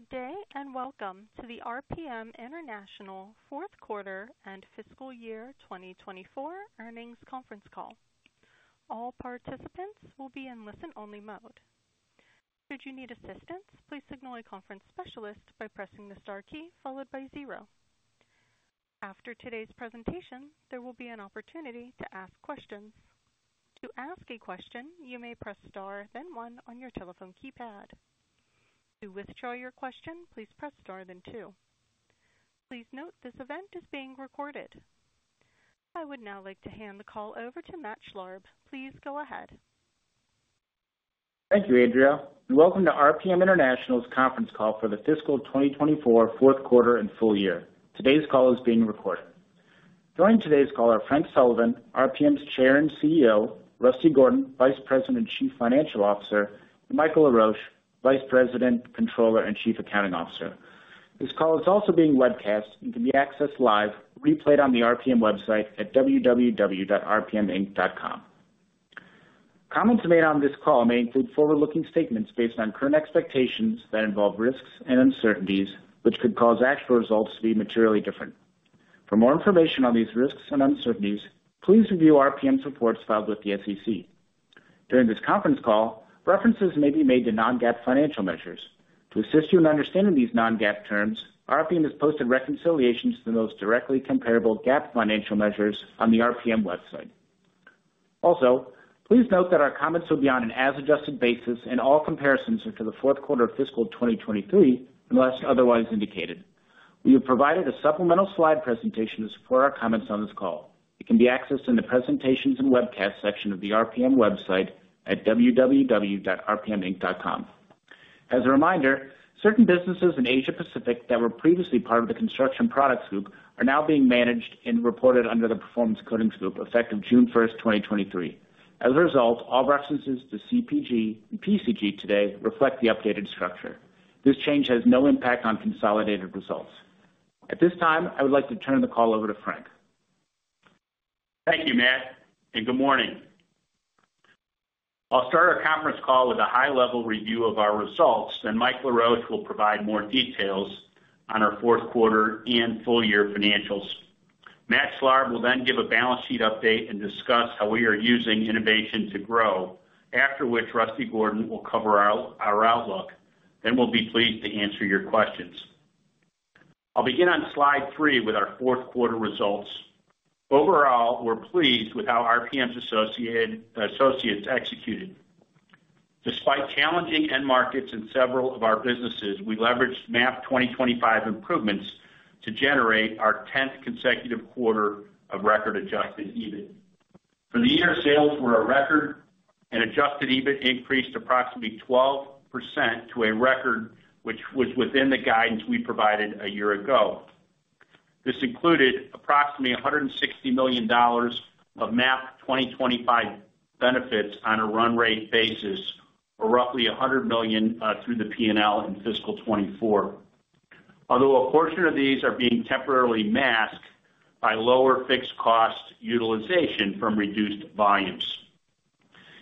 Good day, and welcome to the RPM International Q4 and fiscal year 2024 earnings conference call. All participants will be in listen-only mode. Should you need assistance, please signal a conference specialist by pressing the star key followed by zero. After today's presentation, there will be an opportunity to ask questions. To ask a question, you may press Star, then one on your telephone keypad. To withdraw your question, please press Star, then two. Please note, this event is being recorded. I would now like to hand the call over to Matt Schlarb. Please go ahead. Thank you, Adria, and welcome to RPM International's conference call for the fiscal 2024, Q4, and full year. Today's call is being recorded. Joining today's call are Frank Sullivan, RPM's Chair and CEO, Rusty Gordon, Vice President and Chief Financial Officer, and Michael Laroche, Vice President, Controller, and Chief Accounting Officer. This call is also being webcast and can be accessed live, replayed on the RPM website at www.rpminc.com. Comments made on this call may include forward-looking statements based on current expectations that involve risks and uncertainties, which could cause actual results to be materially different. For more information on these risks and uncertainties, please review RPM's reports filed with the SEC. During this conference call, references may be made to non-GAAP financial measures. To assist you in understanding these non-GAAP terms, RPM has posted reconciliations to the most directly comparable GAAP financial measures on the RPM website. Also, please note that our comments will be on an as-adjusted basis, and all comparisons are to the Q4 of fiscal 2023, unless otherwise indicated. We have provided a supplemental slide presentation to support our comments on this call. It can be accessed in the Presentations and Webcast section of the RPM website at www.rpminc.com. As a reminder, certain businesses in Asia Pacific that were previously part of the Construction Products Group are now being managed and reported under the Performance Coatings Group, effective June 1, 2023. As a result, all references to CPG and PCG today reflect the updated structure. This change has no impact on consolidated results. At this time, I would like to turn the call over to Frank. Thank you, Matt, and good morning. I'll start our conference call with a high-level review of our results, then Mike Laroche will provide more details on our Q4 and full year financials. Matt Schlarb will then give a balance sheet update and discuss how we are using innovation to grow, after which Rusty Gordon will cover our outlook. Then we'll be pleased to answer your questions. I'll begin on slide 3 with our Q4 results. Overall, we're pleased with how RPM's associates executed. Despite challenging end markets in several of our businesses, we leveraged MAP 2025 improvements to generate our 10th consecutive quarter of record adjusted EBIT. For the year, sales were a record, and adjusted EBIT increased approximately 12% to a record, which was within the guidance we provided a year ago. This included approximately $160 million of MAP 2025 benefits on a run rate basis, or roughly $100 million through the PNL in fiscal 2024. Although a portion of these are being temporarily masked by lower fixed cost utilization from reduced volumes.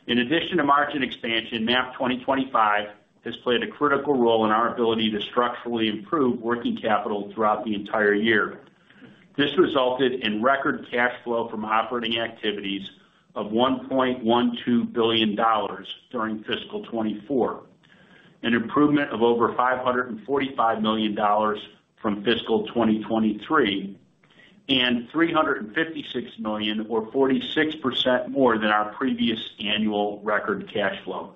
In addition to margin expansion, MAP 2025 has played a critical role in our ability to structurally improve working capital throughout the entire year. This resulted in record cash flow from operating activities of $1.12 billion during fiscal 2024, an improvement of over $545 million from fiscal 2023, and $356 million, or 46% more than our previous annual record cash flow.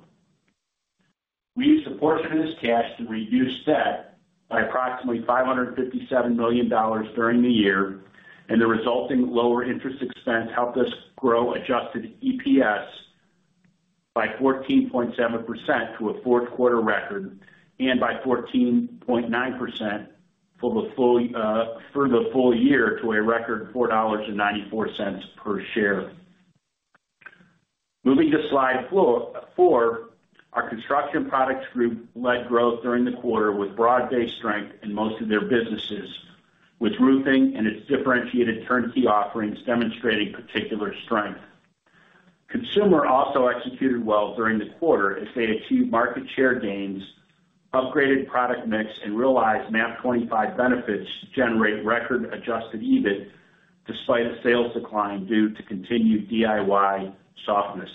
We used a portion of this cash to reduce debt by approximately $557 million during the year, and the resulting lower interest expense helped us grow adjusted EPS by 14.7% to a Q4 record, and by 14.9% for the full year to a record $4.94 per share. Moving to slide 4, our Construction Products Group led growth during the quarter with broad-based strength in most of their businesses, with roofing and its differentiated turnkey offerings demonstrating particular strength. Consumer also executed well during the quarter as they achieved market share gains, upgraded product mix, and realized MAP 2025 benefits to generate record adjusted EBIT, despite a sales decline due to continued DIY softness.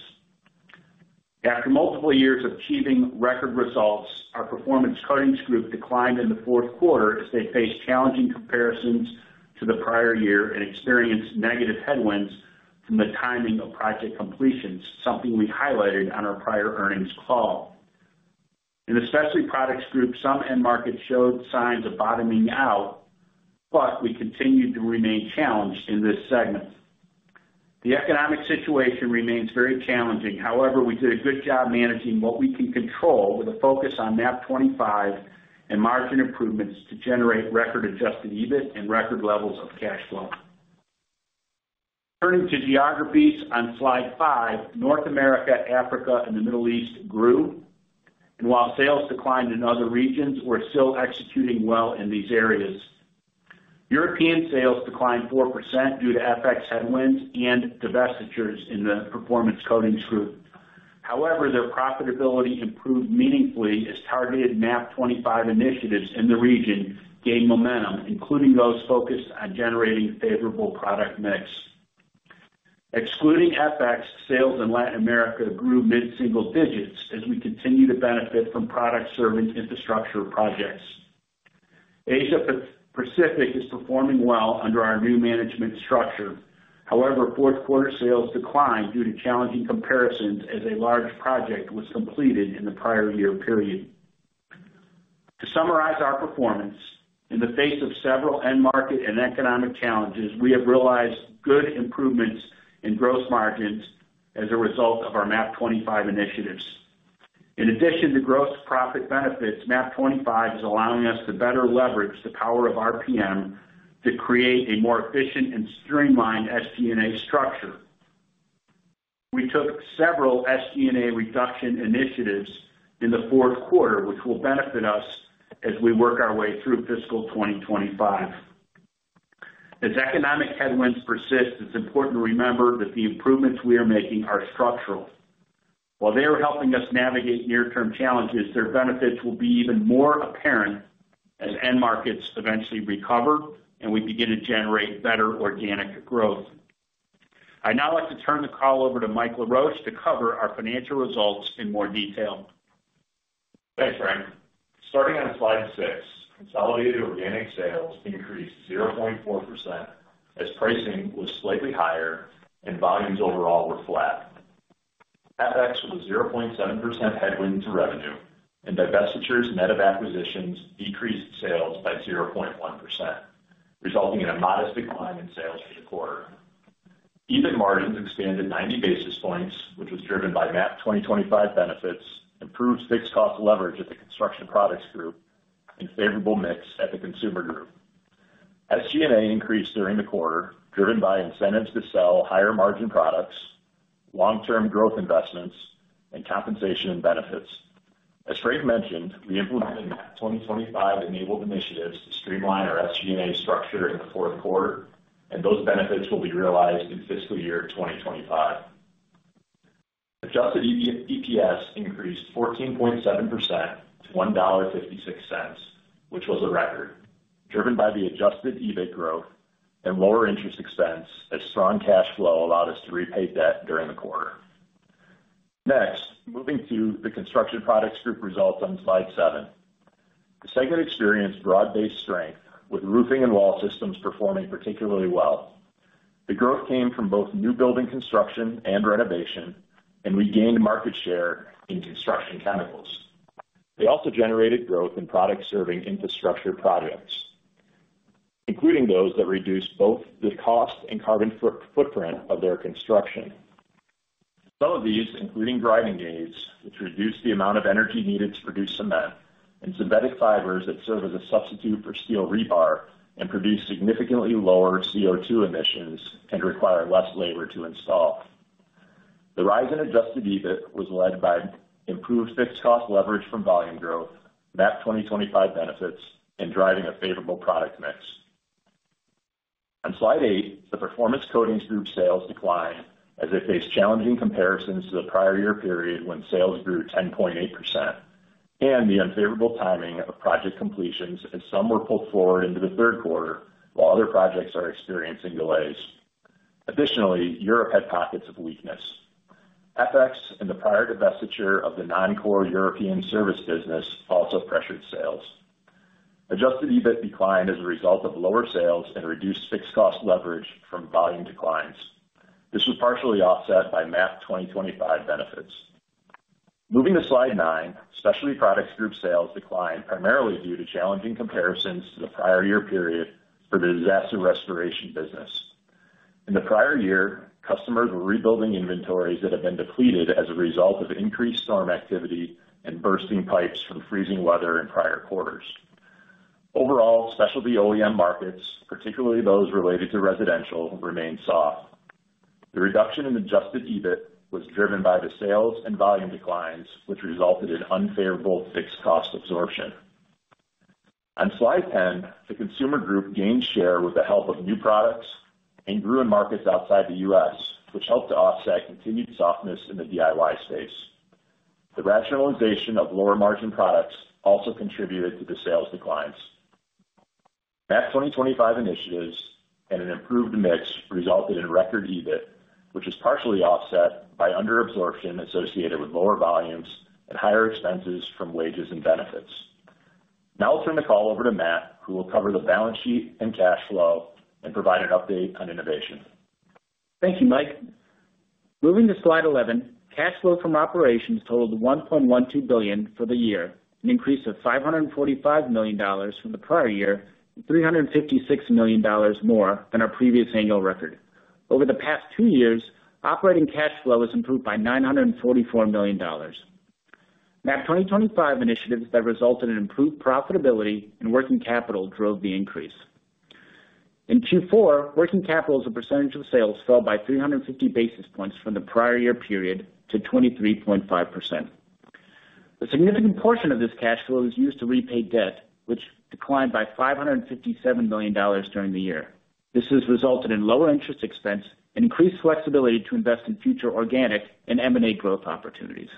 After multiple years of achieving record results, our Performance Coatings Group declined in the Q4 as they faced challenging comparisons to the prior year and experienced negative headwinds from the timing of project completions, something we highlighted on our prior earnings call. In the Specialty Products Group, some end markets showed signs of bottoming out, but we continued to remain challenged in this segment. The economic situation remains very challenging. However, we did a good job managing what we can control with a focus on MAP 2025 and margin improvements to generate record-adjusted EBIT and record levels of cash flow. Turning to geographies on Slide 5, North America, Africa, and the Middle East grew, and while sales declined in other regions, we're still executing well in these areas. European sales declined 4% due to FX headwinds and divestitures in the Performance Coatings Group. However, their profitability improved meaningfully as targeted MAP 25 initiatives in the region gained momentum, including those focused on generating favorable product mix. Excluding FX, sales in Latin America grew mid-single digits as we continue to benefit from products serving infrastructure projects. Asia Pacific is performing well under our new management structure. However, Q4 sales declined due to challenging comparisons as a large project was completed in the prior year period. To summarize our performance, in the face of several end market and economic challenges, we have realized good improvements in gross margins as a result of our MAP 25 initiatives. In addition to gross profit benefits, MAP 25 is allowing us to better leverage the power of RPM to create a more efficient and streamlined SG&A structure. We took several SG&A reduction initiatives in the Q4, which will benefit us as we work our way through fiscal 2025. As economic headwinds persist, it's important to remember that the improvements we are making are structural. While they are helping us navigate near-term challenges, their benefits will be even more apparent as end markets eventually recover and we begin to generate better organic growth. I'd now like to turn the call over to Mike Laroche to cover our financial results in more detail. Thanks, Frank. Starting on slide 6, consolidated organic sales increased 0.4% as pricing was slightly higher and volumes overall were flat. FX was 0.7% headwind to revenue, and divestitures net of acquisitions decreased sales by 0.1%, resulting in a modest decline in sales for the quarter. EBIT margins expanded 90 basis points, which was driven by MAP 2025 benefits, improved fixed cost leverage at the Construction Products Group, and favorable mix at the Consumer Group. SG&A increased during the quarter, driven by incentives to sell higher margin products, long-term growth investments, and compensation and benefits. As Frank mentioned, we implemented MAP 2025 enabled initiatives to streamline our SG&A structure in the Q4, and those benefits will be realized in fiscal year 2025. Adjusted EPS increased 14.7% to $1.56, which was a record, driven by the adjusted EBIT growth and lower interest expense, as strong cash flow allowed us to repay debt during the quarter. Next, moving to the Construction Products Group results on slide 7. The segment experienced broad-based strength, with roofing and wall systems performing particularly well. The growth came from both new building construction and renovation, and we gained market share in construction chemicals. They also generated growth in products serving infrastructure projects, including those that reduced both the cost and carbon footprint of their construction. Some of these, including grinding aids, which reduce the amount of energy needed to produce cement, and synthetic fibers that serve as a substitute for steel rebar and produce significantly lower CO2 emissions and require less labor to install. The rise in adjusted EBIT was led by improved fixed cost leverage from volume growth, MAP 2025 benefits, and driving a favorable product mix. On slide 8, the Performance Coatings Group sales declined as they faced challenging comparisons to the prior year period when sales grew 10.8%, and the unfavorable timing of project completions, as some were pulled forward into the Q3, while other projects are experiencing delays. Additionally, Europe had pockets of weakness. FX and the prior divestiture of the non-core European service business also pressured sales. Adjusted EBIT declined as a result of lower sales and reduced fixed cost leverage from volume declines. This was partially offset by MAP 2025 benefits. Moving to slide 9, Specialty Products Group sales declined primarily due to challenging comparisons to the prior year period for the disaster restoration business. In the prior year, customers were rebuilding inventories that had been depleted as a result of increased storm activity and bursting pipes from freezing weather in prior quarters. Overall, specialty OEM markets, particularly those related to residential, remained soft. The reduction in adjusted EBIT was driven by the sales and volume declines, which resulted in unfavorable fixed cost absorption. On slide 10, the Consumer Group gained share with the help of new products and grew in markets outside the U.S., which helped to offset continued softness in the DIY space. The rationalization of lower margin products also contributed to the sales declines. MAP 2025 initiatives and an improved mix resulted in record EBIT, which is partially offset by under absorption associated with lower volumes and higher expenses from wages and benefits. Now I'll turn the call over to Matt, who will cover the balance sheet and cash flow and provide an update on innovation. Thank you, Mike. Moving to slide 11, cash flow from operations totaled $1.12 billion for the year, an increase of $545 million from the prior year, and $356 million more than our previous annual record. Over the past two years, operating cash flow has improved by $944 million. MAP 2025 initiatives that resulted in improved profitability and working capital drove the increase. In Q4, working capital as a percentage of sales fell by 350 basis points from the prior year period to 23.5%. A significant portion of this cash flow is used to repay debt, which declined by $557 million during the year. This has resulted in lower interest expense and increased flexibility to invest in future organic and M&A growth opportunities.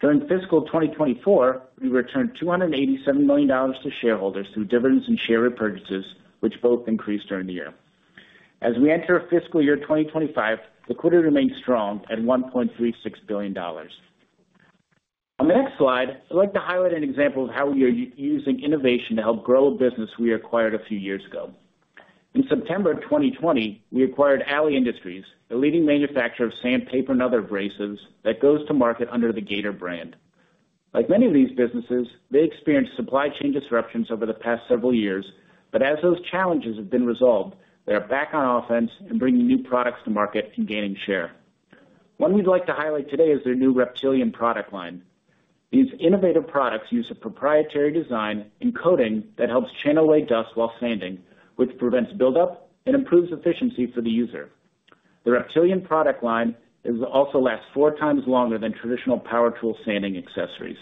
During fiscal 2024, we returned $287 million to shareholders through dividends and share repurchases, which both increased during the year. As we enter fiscal year 2025, the quarter remains strong at $1.36 billion. On the next slide, I'd like to highlight an example of how we are using innovation to help grow a business we acquired a few years ago. In September of 2020, we acquired Ali Industries, a leading manufacturer of sandpaper and other abrasives that goes to market under the Gator brand. Like many of these businesses, they experienced supply chain disruptions over the past several years, but as those challenges have been resolved, they are back on offense and bringing new products to market and gaining share. One we'd like to highlight today is their new Reptilian product line. These innovative products use a proprietary design and coating that helps channel away dust while sanding, which prevents buildup and improves efficiency for the user. The Reptilian product line also lasts four times longer than traditional power tool sanding accessories.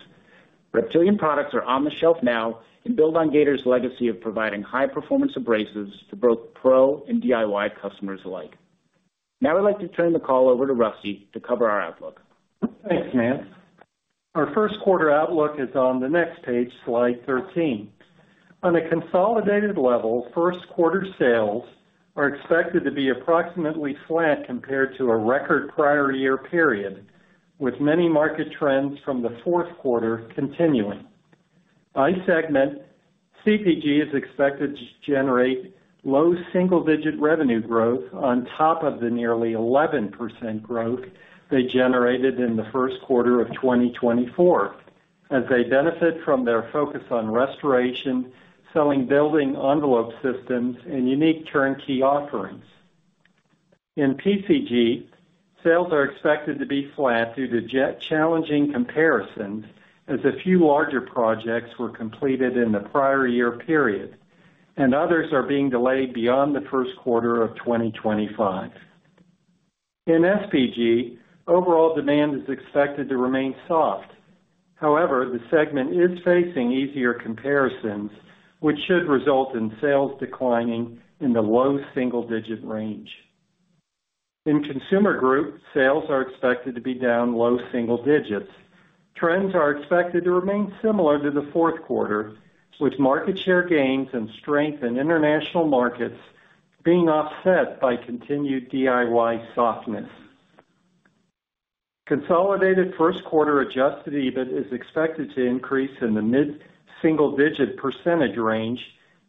Reptilian products are on the shelf now and build on Gator's legacy of providing high-performance abrasives to both pro and DIY customers alike. Now I'd like to turn the call over to Rusty to cover our outlook. Thanks, Matt. Our Q1 outlook is on the next page, slide 13. On a consolidated level, Q1 sales are expected to be approximately flat compared to a record prior year period, with many market trends from the Q4 continuing. By segment, CPG is expected to generate low single-digit revenue growth on top of the nearly 11% growth they generated in the Q1 of 2024, as they benefit from their focus on restoration, selling building envelope systems, and unique turnkey offerings. In PCG, sales are expected to be flat due to yet challenging comparisons, as a few larger projects were completed in the prior year period, and others are being delayed beyond the Q1 of 2025. In SPG, overall demand is expected to remain soft. However, the segment is facing easier comparisons, which should result in sales declining in the low single-digit range. In Consumer Group, sales are expected to be down low single digits. Trends are expected to remain similar to the Q4, with market share gains and strength in international markets being offset by continued DIY softness. Consolidated Q1 Adjusted EBIT is expected to increase in the mid-single-digit % range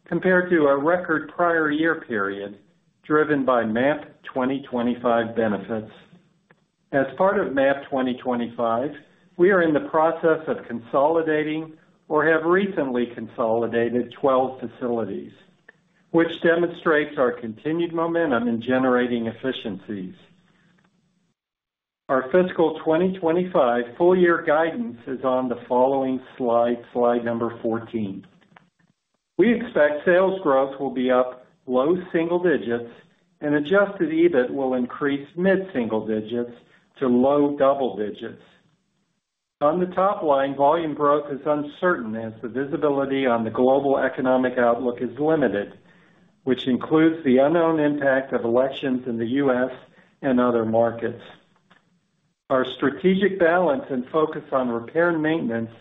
compared to a record prior year period, driven by MAP 2025 benefits. As part of MAP 2025, we are in the process of consolidating or have recently consolidated 12 facilities, which demonstrates our continued momentum in generating efficiencies. Our fiscal 2025 full year guidance is on the following slide, slide number 14. We expect sales growth will be up low single digits, and Adjusted EBIT will increase mid-single digits to low double digits. On the top line, volume growth is uncertain as the visibility on the global economic outlook is limited, which includes the unknown impact of elections in the US and other markets. Our strategic balance and focus on repair and maintenance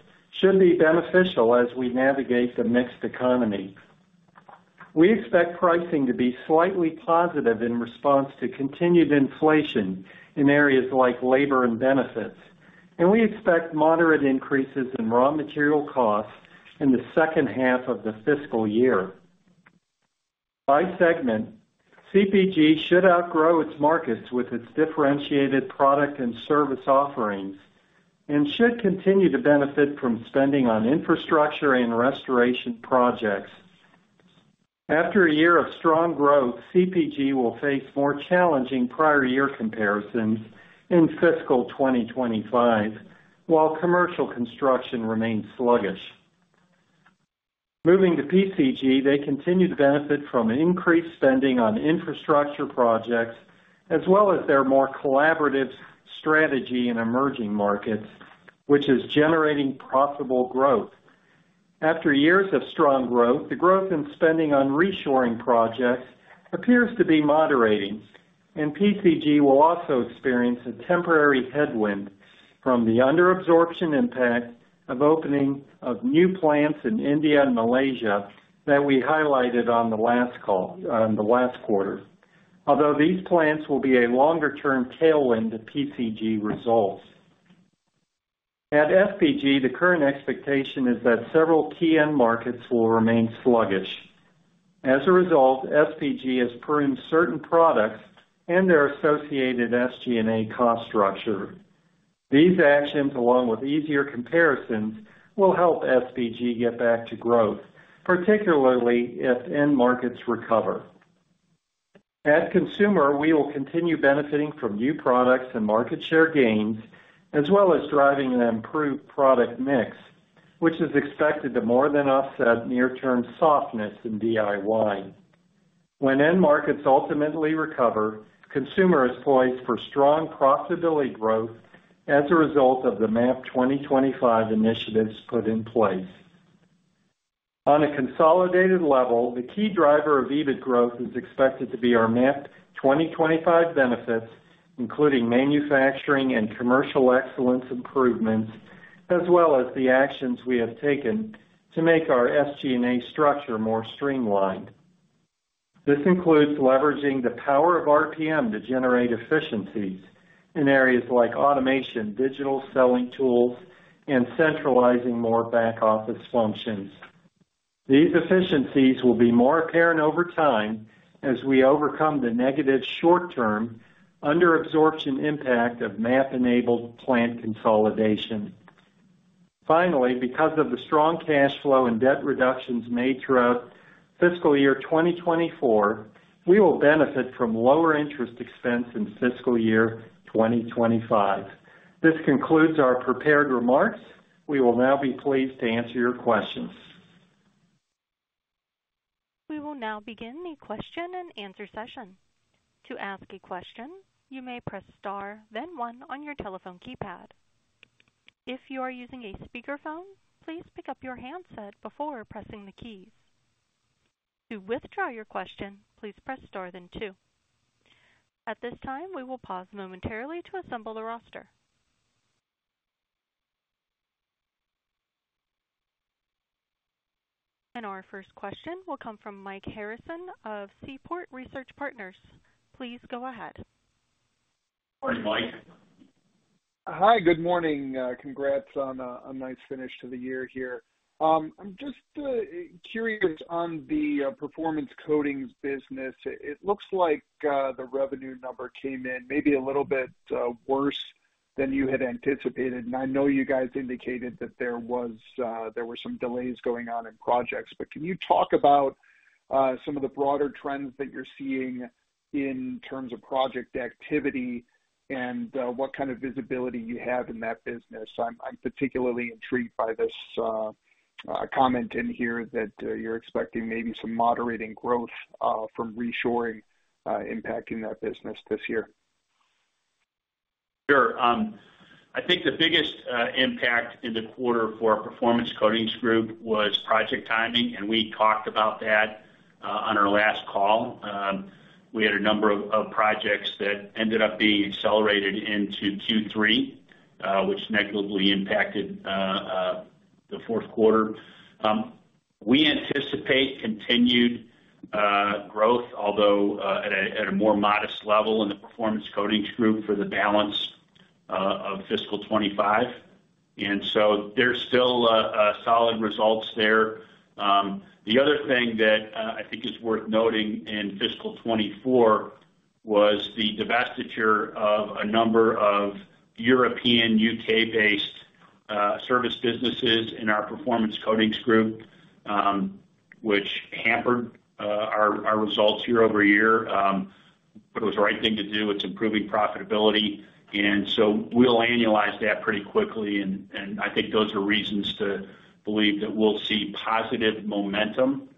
should be beneficial as we navigate the mixed economy. We expect pricing to be slightly positive in response to continued inflation in areas like labor and benefits, and we expect moderate increases in raw material costs in the H2 of the fiscal year. By segment, CPG should outgrow its markets with its differentiated product and service offerings and should continue to benefit from spending on infrastructure and restoration projects. After a year of strong growth, CPG will face more challenging prior year comparisons in fiscal 2025, while commercial construction remains sluggish. Moving to PCG, they continue to benefit from increased spending on infrastructure projects, as well as their more collaborative strategy in emerging markets, which is generating profitable growth. After years of strong growth, the growth in spending on reshoring projects appears to be moderating, and PCG will also experience a temporary headwind from the under absorption impact of opening of new plants in India and Malaysia that we highlighted on the last call, the last quarter. Although these plants will be a longer-term tailwind to PCG results. At SPG, the current expectation is that several key end markets will remain sluggish. As a result, SPG has pruned certain products and their associated SG&A cost structure. These actions, along with easier comparisons, will help SPG get back to growth, particularly if end markets recover. At Consumer, we will continue benefiting from new products and market share gains, as well as driving an improved product mix, which is expected to more than offset near-term softness in DIY. When end markets ultimately recover, consumer is poised for strong profitability growth as a result of the MAP 2025 initiatives put in place. On a consolidated level, the key driver of EBIT growth is expected to be our MAP 2025 benefits, including manufacturing and commercial excellence improvements, as well as the actions we have taken to make our SG&A structure more streamlined. This includes leveraging the power of RPM to generate efficiencies in areas like automation, digital selling tools, and centralizing more back-office functions. These efficiencies will be more apparent over time as we overcome the negative short-term, under absorption impact of MAP-enabled plant consolidation. Finally, because of the strong cash flow and debt reductions made throughout fiscal year 2024, we will benefit from lower interest expense in fiscal year 2025. This concludes our prepared remarks. We will now be pleased to answer your questions. We will now begin the question and answer session. To ask a question, you may press Star, then one on your telephone keypad. If you are using a speakerphone, please pick up your handset before pressing the keys. To withdraw your question, please press Star then two. At this time, we will pause momentarily to assemble the roster. And our first question will come from Mike Harrison of Seaport Research Partners. Please go ahead. Morning, Mike. Hi, good morning. Congrats on a nice finish to the year here. I'm just curious on the Performance Coatings business. It looks like the revenue number came in maybe a little bit worse than you had anticipated. And I know you guys indicated that there was there were some delays going on in projects. But can you talk about some of the broader trends that you're seeing in terms of project activity and what kind of visibility you have in that business? I'm particularly intrigued by this comment in here that you're expecting maybe some moderating growth from reshoring impacting that business this year. Sure. I think the biggest impact in the quarter for our Performance Coatings Group was project timing, and we talked about that on our last call. We had a number of projects that ended up being accelerated into Q3, which negatively impacted the Q4. We anticipate continued growth, although at a more modest level in the Performance Coatings Group for the balance of fiscal 2025. And so there's still a solid results there. The other thing that I think is worth noting in fiscal 2024 was the divestiture of a number of European, UK-based service businesses in our Performance Coatings Group, which hampered our results year-over-year. But it was the right thing to do. It's improving profitability, and so we'll annualize that pretty quickly, and I think those are reasons to believe that we'll see positive momentum,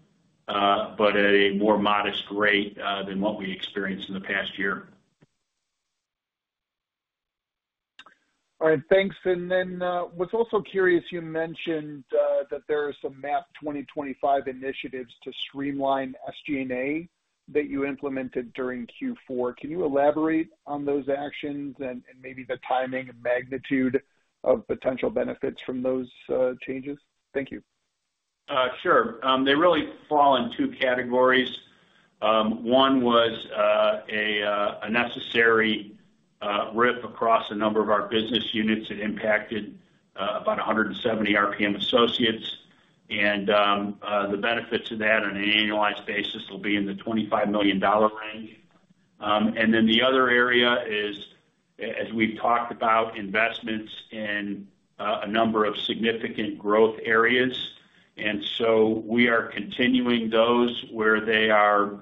but at a more modest rate than what we experienced in the past year. All right, thanks. And then, was also curious, you mentioned, that there are some MAP 2025 initiatives to streamline SG&A that you implemented during Q4. Can you elaborate on those actions and, and maybe the timing and magnitude of potential benefits from those, changes? Thank you. Sure. They really fall in two categories. One was a necessary RIF across a number of our business units. It impacted about 170 RPM associates, and the benefit to that on an annualized basis will be in the $25 million range. And then the other area is, as we've talked about, investments in a number of significant growth areas, and so we are continuing those where they are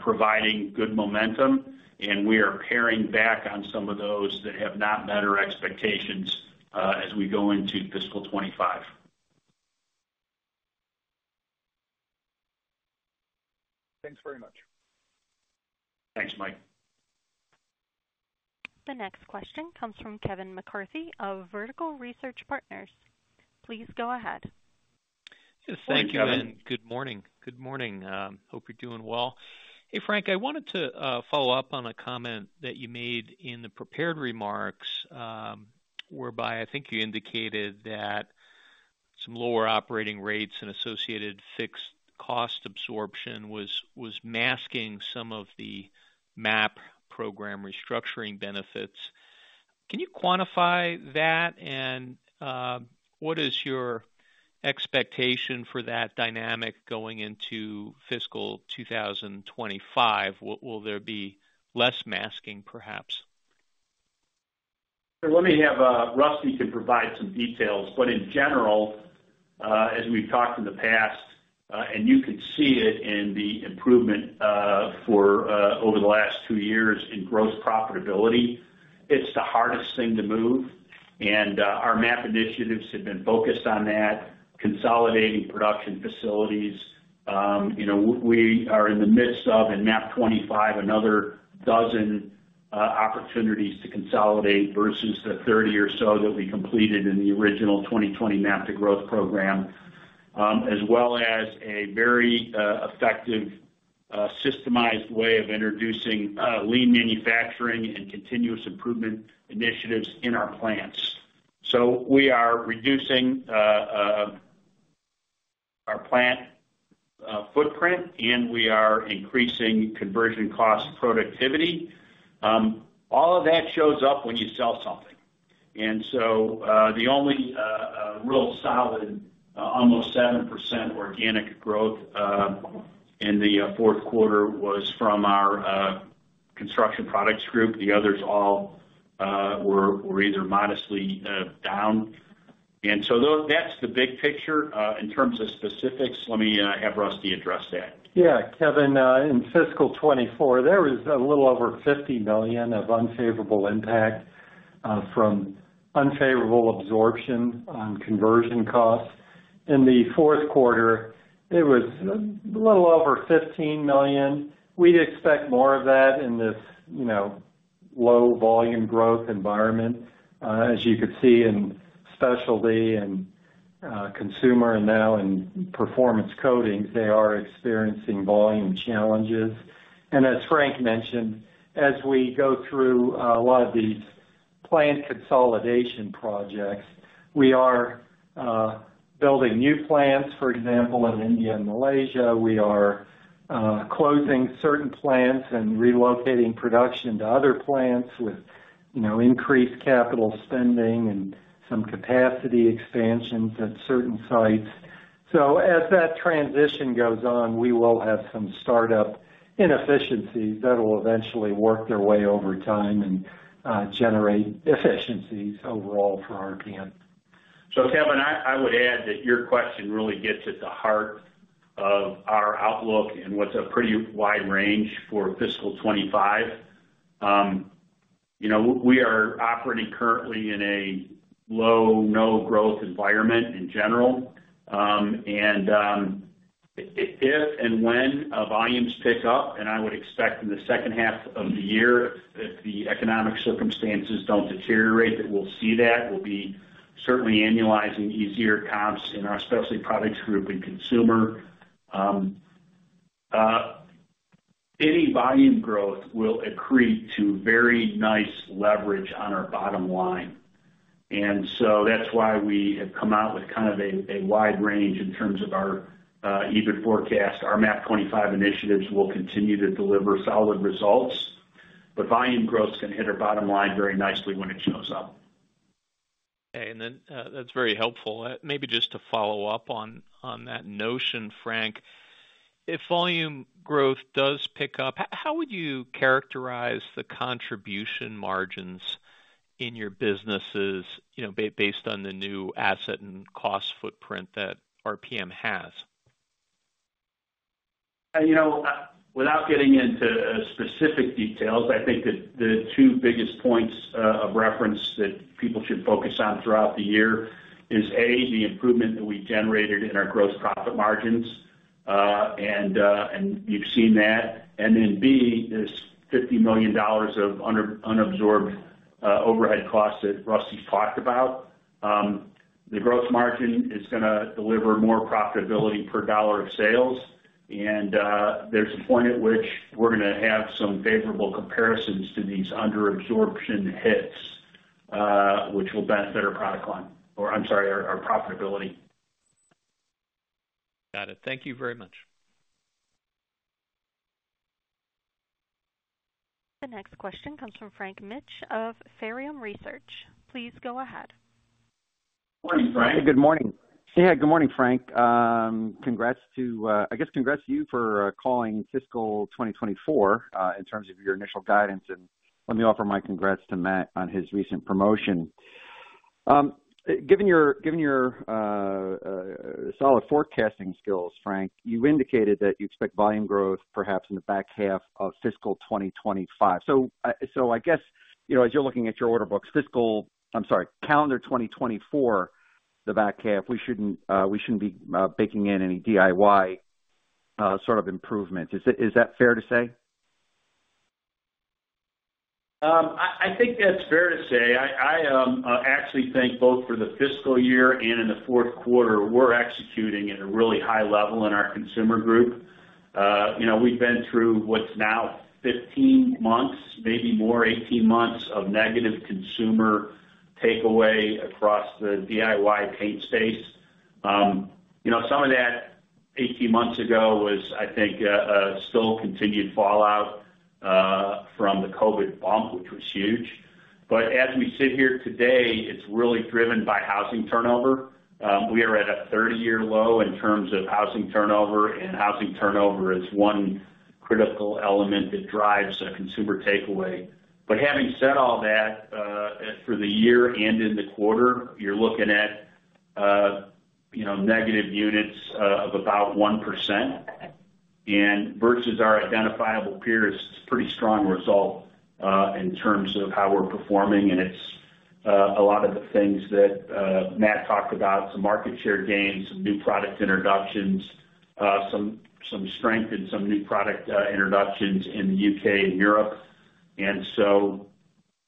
providing good momentum, and we are paring back on some of those that have not met our expectations, as we go into fiscal 2025. Thanks very much. Thanks, Mike. The next question comes from Kevin McCarthy of Vertical Research Partners. Please go ahead. Thank you, and good morning. Good morning. Hope you're doing well. Hey, Frank, I wanted to follow up on a comment that you made in the prepared remarks, whereby I think you indicated that some lower operating rates and associated fixed cost absorption was masking some of the MAP program restructuring benefits. Can you quantify that? And, what is your expectation for that dynamic going into fiscal 2025? Will there be less masking, perhaps? Let me have Rusty can provide some details. But in general, as we've talked in the past, and you can see it in the improvement over the last two years in gross profitability, it's the hardest thing to move... and our MAP initiatives have been focused on that, consolidating production facilities. We are in the midst of MAP 25, another 12 opportunities to consolidate versus the 30 or so that we completed in the original 2020 MAP to growth program, as well as a very effective systemized way of introducing lean manufacturing and continuous improvement initiatives in our plants. So we are reducing our plant footprint, and we are increasing conversion cost productivity. All of that shows up when you sell something. And so, the only real solid almost 7% organic growth in the Q4 was from our Construction Products Group. The others all were either modestly down. And so that's the big picture. In terms of specifics, let me have Rusty address that. Yeah, Kevin, in fiscal 2024, there was a little over $50 million of unfavorable impact from unfavorable absorption on conversion costs. In the Q4, it was a little over $15 million. We'd expect more of that in this, you know, low volume growth environment. As you could see in specialty and consumer, and now in performance coatings, they are experiencing volume challenges. And as Frank mentioned, as we go through a lot of these plant consolidation projects, we are building new plants, for example, in India and Malaysia. We are closing certain plants and relocating production to other plants with, you know, increased capital spending and some capacity expansions at certain sites. So as that transition goes on, we will have some startup inefficiencies that will eventually work their way over time and generate efficiencies overall for RPM. So, Kevin, I would add that your question really gets at the heart of our outlook and what's a pretty wide range for fiscal 2025. You know, we are operating currently in a low, no growth environment in general. If and when our volumes pick up, and I would expect in the H2 of the year, if the economic circumstances don't deteriorate, that we'll see that, we'll be certainly annualizing easier comps in our Specialty Products Group and Consumer. Any volume growth will accrete to very nice leverage on our bottom line. And so that's why we have come out with kind of a wide range in terms of our EBIT forecast. Our MAP 2025 initiatives will continue to deliver solid results, but volume growth is going to hit our bottom line very nicely when it shows up. Okay. And then, that's very helpful. Maybe just to follow up on, on that notion, Frank, if volume growth does pick up, how would you characterize the contribution margins in your businesses, you know, based on the new asset and cost footprint that RPM has? You know, without getting into specific details, I think that the two biggest points of reference that people should focus on throughout the year is, A, the improvement that we generated in our gross profit margins, and you've seen that. And then, B, this $50 million of under-unabsorbed overhead costs that Rusty talked about. The gross margin is gonna deliver more profitability per dollar of sales, and there's a point at which we're gonna have some favorable comparisons to these under-absorption hits, which will benefit our product line, or I'm sorry, our profitability. Got it. Thank you very much. The next question comes from Frank Mitsch of Fermium Research. Please go ahead. Morning, Frank. Good morning. Yeah, good morning, Frank. I guess, congrats to you for calling fiscal 2024 in terms of your initial guidance, and let me offer my congrats to Matt on his recent promotion. Given your solid forecasting skills, Frank, you indicated that you expect volume growth perhaps in the back half of fiscal 2025. So, I guess, you know, as you're looking at your order books, fiscal... I'm sorry, calendar 2024, the back half, we shouldn't be baking in any DIY sort of improvement. Is that fair to say? I think that's fair to say. I actually think both for the fiscal year and in the Q4, we're executing at a really high level in our consumer group. You know, we've been through what's now 15 months, maybe more, 18 months, of negative consumer takeaway across the DIY paint space. You know, some of that 18 months ago was, I think, still continued fallout from the COVID bump, which was huge. But as we sit here today, it's really driven by housing turnover. We are at a 30-year low in terms of housing turnover, and housing turnover is one critical element that drives a consumer takeaway. But having said all that, for the year and in the quarter, you're looking at, you know, negative units of about 1%.... And versus our identifiable peers, it's a pretty strong result in terms of how we're performing, and it's a lot of the things that Matt talked about, some market share gains, some new product introductions, some strength in some new product introductions in the UK and Europe. And so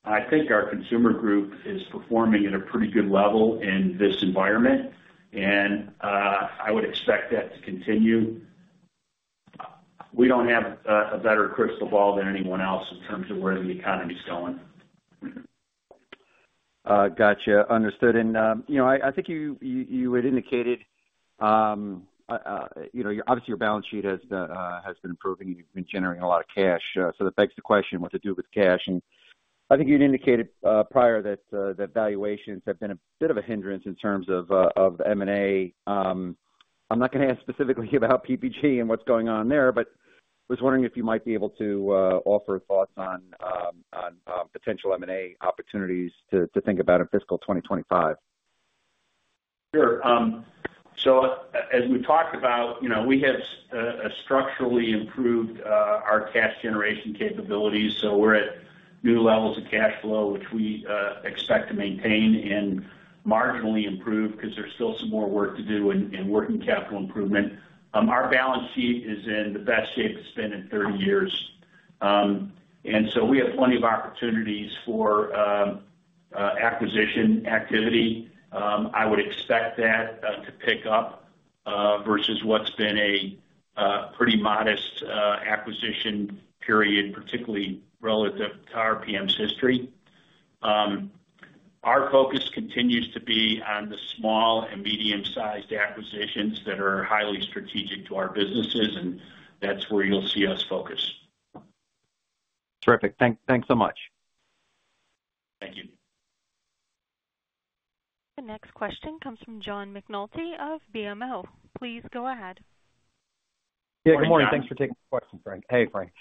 I think our consumer group is performing at a pretty good level in this environment, and I would expect that to continue. We don't have a better crystal ball than anyone else in terms of where the economy is going. Gotcha. Understood. And, you know, I think you had indicated, you know, obviously, your balance sheet has been improving. You've been generating a lot of cash, so that begs the question, what to do with cash? And I think you'd indicated prior that that valuations have been a bit of a hindrance in terms of of the M&A. I'm not gonna ask specifically about PPG and what's going on there, but I was wondering if you might be able to offer thoughts on on potential M&A opportunities to think about in fiscal 2025. Sure. So as we talked about, you know, we have structurally improved our cash generation capabilities, so we're at new levels of cash flow, which we expect to maintain and marginally improve because there's still some more work to do in working capital improvement. Our balance sheet is in the best shape it's been in 30 years. So we have plenty of opportunities for acquisition activity. I would expect that to pick up versus what's been a pretty modest acquisition period, particularly relative to RPM's history. Our focus continues to be on the small- and medium-sized acquisitions that are highly strategic to our businesses, and that's where you'll see us focus. Terrific. Thanks so much. Thank you. The next question comes from John McNulty of BMO. Please go ahead. Yeah, good morning. Thanks for taking my question, Frank. Hey, Frank.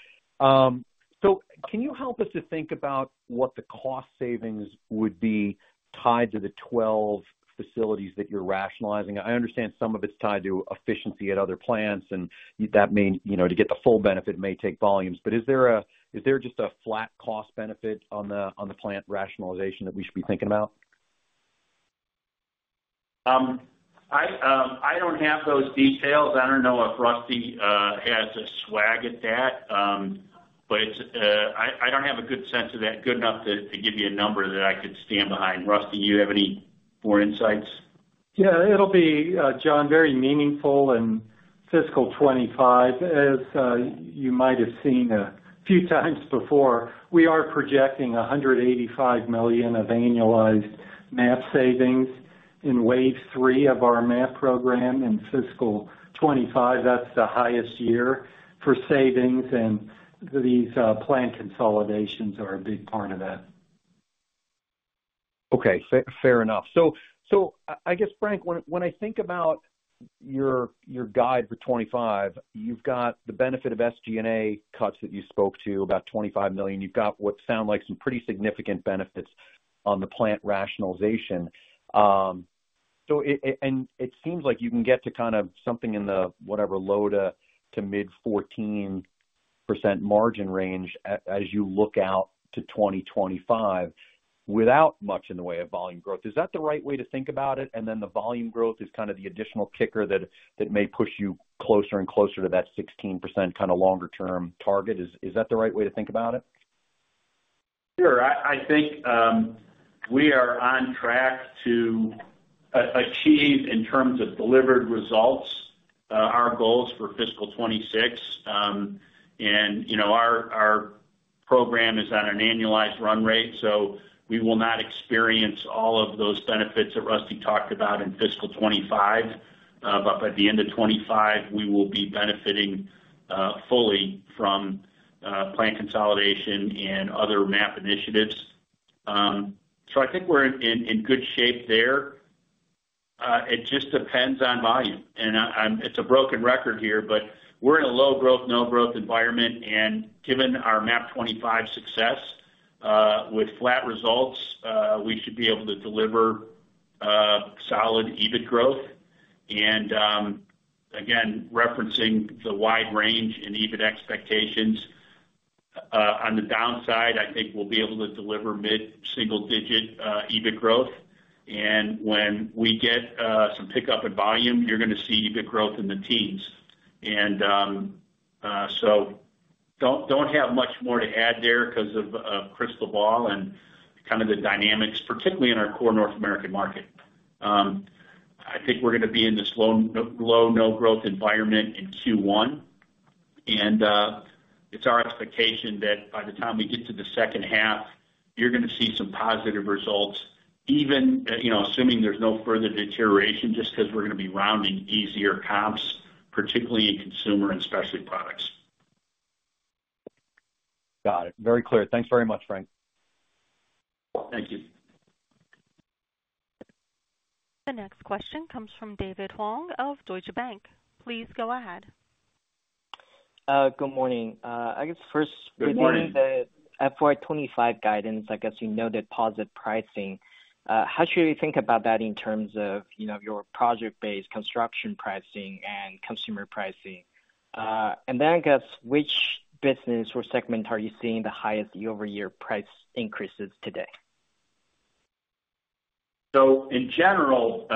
So can you help us to think about what the cost savings would be tied to the 12 facilities that you're rationalizing? I understand some of it's tied to efficiency at other plants, and that means, you know, to get the full benefit, it may take volumes. But is there just a flat cost benefit on the, on the plant rationalization that we should be thinking about? I don't have those details. I don't know if Rusty has a swag at that, but it's I don't have a good sense of that, good enough to give you a number that I could stand behind. Rusty, do you have any more insights? Yeah, it'll be, John, very meaningful in fiscal 2025. As you might have seen a few times before, we are projecting $185 million of annualized MAP savings in wave 3 of our MAP program in fiscal 2025. That's the highest year for savings, and these plant consolidations are a big part of that. Okay, fair enough. So, I guess, Frank, when I think about your guide for 2025, you've got the benefit of SG&A cuts that you spoke to, about $25 million. You've got what sound like some pretty significant benefits on the plant rationalization. So it seems like you can get to kind of something in the, whatever, low- to mid-14% margin range as you look out to 2025 without much in the way of volume growth. Is that the right way to think about it? And then the volume growth is kind of the additional kicker that may push you closer and closer to that 16% kind of longer-term target. Is that the right way to think about it? Sure. I think we are on track to achieve, in terms of delivered results, our goals for fiscal 2026. And, you know, our program is at an annualized run rate, so we will not experience all of those benefits that Rusty talked about in fiscal 2025. But by the end of 2025, we will be benefiting fully from plant consolidation and other MAP 2025 initiatives. So I think we're in good shape there. It just depends on volume, and I'm. It's a broken record here, but we're in a low growth, no growth environment, and given our MAP 2025 success, with flat results, we should be able to deliver solid EBIT growth. And, again, referencing the wide range in EBIT expectations, on the downside, I think we'll be able to deliver mid-single digit EBIT growth, and when we get some pickup in volume, you're gonna see EBIT growth in the teens. And, so don't have much more to add there because of crystal ball and kind of the dynamics, particularly in our core North American market. I think we're gonna be in this low, no growth environment in Q1, and it's our expectation that by the time we get to the H2, you're gonna see some positive results. Even, you know, assuming there's no further deterioration, just 'cause we're gonna be rounding easier comps, particularly in consumer and specialty products. Got it. Very clear. Thanks very much, Frank. Thank you. The next question comes from David Huang of Deutsche Bank. Please go ahead. Good morning. I guess first- Good morning. - regarding the FY 2025 guidance, I guess, you know, deposit pricing, how should we think about that in terms of, you know, your project-based construction pricing and consumer pricing? And then I guess, which business or segment are you seeing the highest year-over-year price increases today? So in general,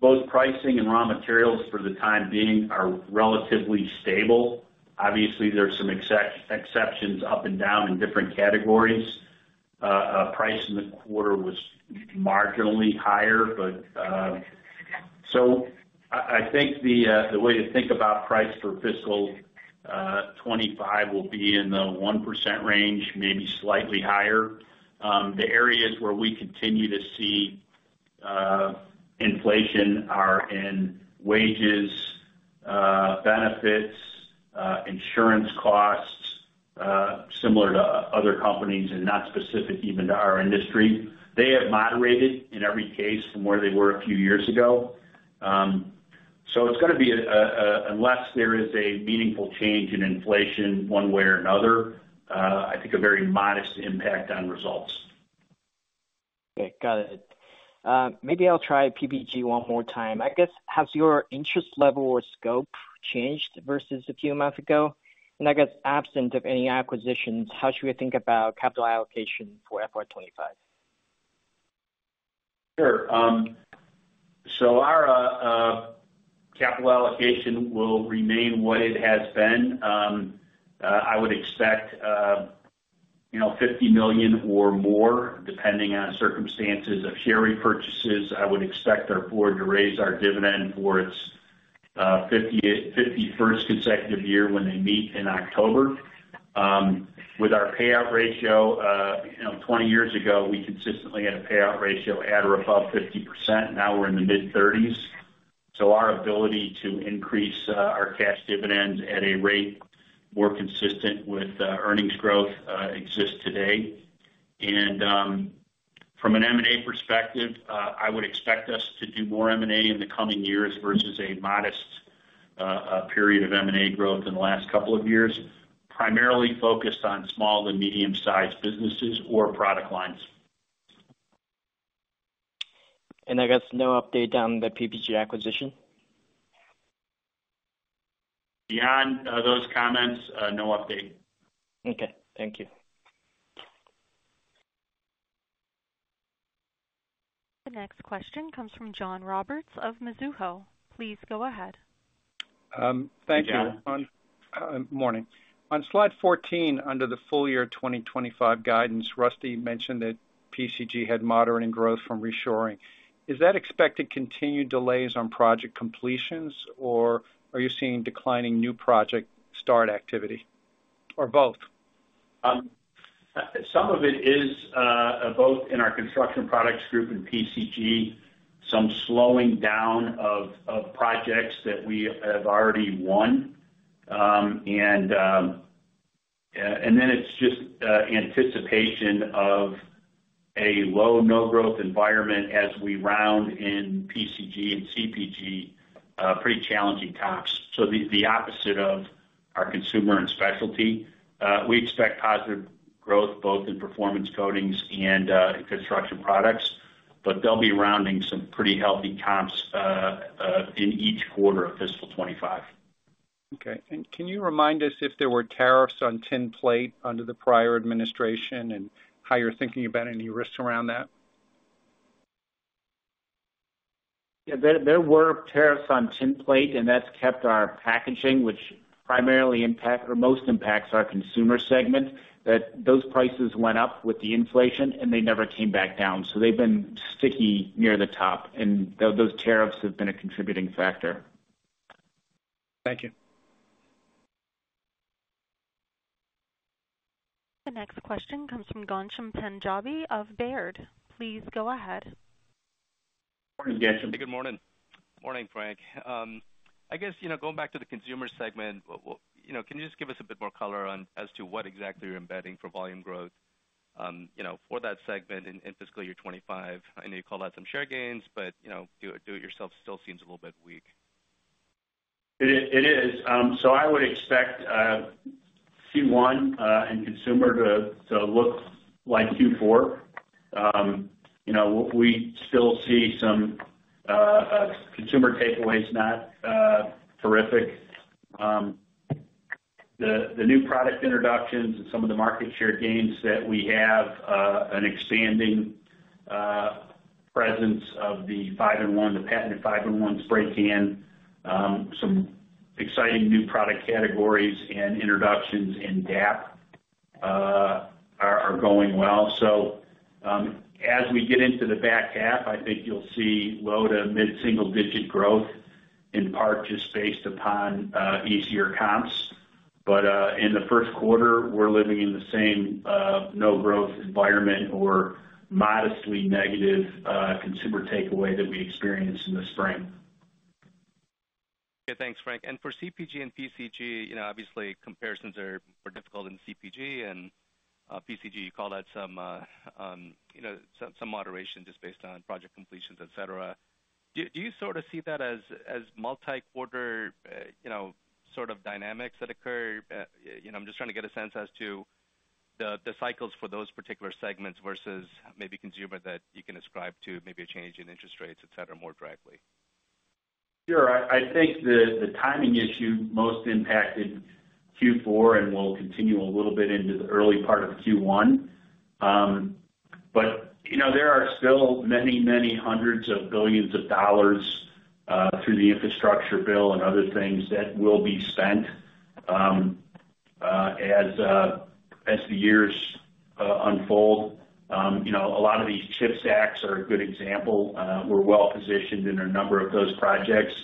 both pricing and raw materials for the time being are relatively stable. Obviously, there's some exceptions up and down in different categories. Price in the quarter was marginally higher. But, so I think the way to think about price for fiscal 2025 will be in the 1% range, maybe slightly higher. The areas where we continue to see inflation are in wages, benefits, insurance costs, similar to other companies and not specific even to our industry. They have moderated in every case from where they were a few years ago. So it's gonna be, unless there is a meaningful change in inflation one way or another, I think a very modest impact on results. Okay, got it. Maybe I'll try PPG one more time. I guess, has your interest level or scope changed versus a few months ago? And I guess, absent of any acquisitions, how should we think about capital allocation for FY 2025? Sure. So our capital allocation will remain what it has been. I would expect, you know, $50 million or more, depending on circumstances of share repurchases. I would expect our board to raise our dividend for its 51st consecutive year when they meet in October. With our payout ratio, you know, 20 years ago, we consistently had a payout ratio at or above 50%. Now we're in the mid-30s, so our ability to increase our cash dividend at a rate more consistent with earnings growth exists today. From an M&A perspective, I would expect us to do more M&A in the coming years versus a modest period of M&A growth in the last couple of years, primarily focused on small and medium-sized businesses or product lines. I guess no update on the PPG acquisition? Beyond those comments, no update. Okay, thank you. The next question comes from John Roberts of Mizuho. Please go ahead. Thank you. John. Morning. On slide 14, under the full year 2025 guidance, Rusty mentioned that PCG had moderating growth from reshoring. Is that expected continued delays on project completions, or are you seeing declining new project start activity, or both? Some of it is both in our Construction Products Group and PCG, some slowing down of projects that we have already won. Then it's just anticipation of a low, no growth environment as we round in PCG and CPG, pretty challenging comps. So the opposite of our consumer and specialty. We expect positive growth both in performance coatings and in construction products, but they'll be rounding some pretty healthy comps in each quarter of fiscal 2025. Okay. Can you remind us if there were tariffs on tinplate under the prior administration, and how you're thinking about any risks around that? Yeah. There were tariffs on tinplate, and that's kept our packaging, which primarily impact or most impacts our consumer segment, that those prices went up with the inflation, and they never came back down. So they've been sticky near the top, and those tariffs have been a contributing factor. Thank you. The next question comes from Ghansham Panjabi of Baird. Please go ahead. Morning, Ghansham. Good morning. Morning, Frank. I guess, you know, going back to the consumer segment, you know, can you just give us a bit more color on as to what exactly you're embedding for volume growth, you know, for that segment in fiscal year 2025? I know you called out some share gains, but, you know, do-it-yourself still seems a little bit weak. It is, it is. So I would expect Q1 and consumer to look like Q4. You know, we still see some consumer takeaways, not terrific. The new product introductions and some of the market share gains that we have an expanding presence of the 5-in-1, the patented 5-in-1 spray can, some exciting new product categories and introductions in DAP are going well. So, as we get into the back half, I think you'll see low- to mid-single-digit growth, in part just based upon easier comps. But, in the Q1, we're living in the same no growth environment or modestly negative consumer takeaway that we experienced in the spring. Okay. Thanks, Frank. And for CPG and PCG, you know, obviously, comparisons are more difficult in CPG and PCG. You call that some, you know, some, some moderation just based on project completions, et cetera. Do, do you sort of see that as, as multi-quarter, you know, sort of dynamics that occur? You know, I'm just trying to get a sense as to the, the cycles for those particular segments versus maybe consumer that you can ascribe to, maybe a change in interest rates, et cetera, more directly. Sure. I think the timing issue most impacted Q4 and will continue a little bit into the early part of Q1. But, you know, there are still many, many hundreds of billions of dollars through the infrastructure bill and other things that will be spent as the years unfold. You know, a lot of these CHIPS Acts are a good example. We're well positioned in a number of those projects,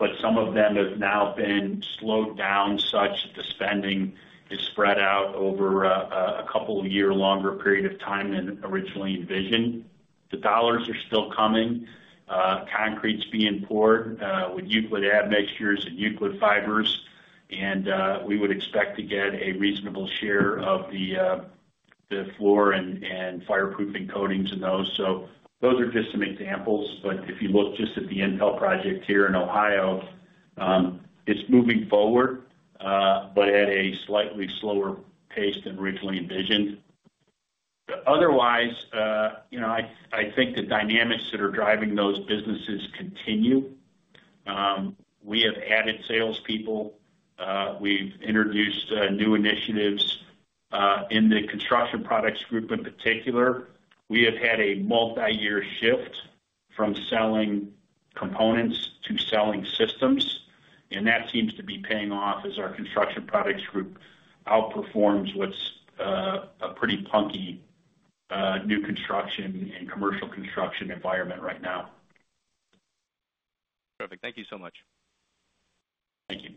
but some of them have now been slowed down, such that the spending is spread out over a couple of year longer period of time than originally envisioned. The dollars are still coming. Concrete's being poured with Euclid admixtures and Euclid fibers, and we would expect to get a reasonable share of the floor and fireproofing coatings in those. So those are just some examples, but if you look just at the Intel project here in Ohio, it's moving forward, but at a slightly slower pace than originally envisioned. But otherwise, you know, I think the dynamics that are driving those businesses continue. We have added salespeople, we've introduced new initiatives in the construction products group, in particular. We have had a multi-year shift from selling components to selling systems, and that seems to be paying off as our construction products group outperforms what's a pretty punky new construction and commercial construction environment right now. Perfect. Thank you so much. Thank you.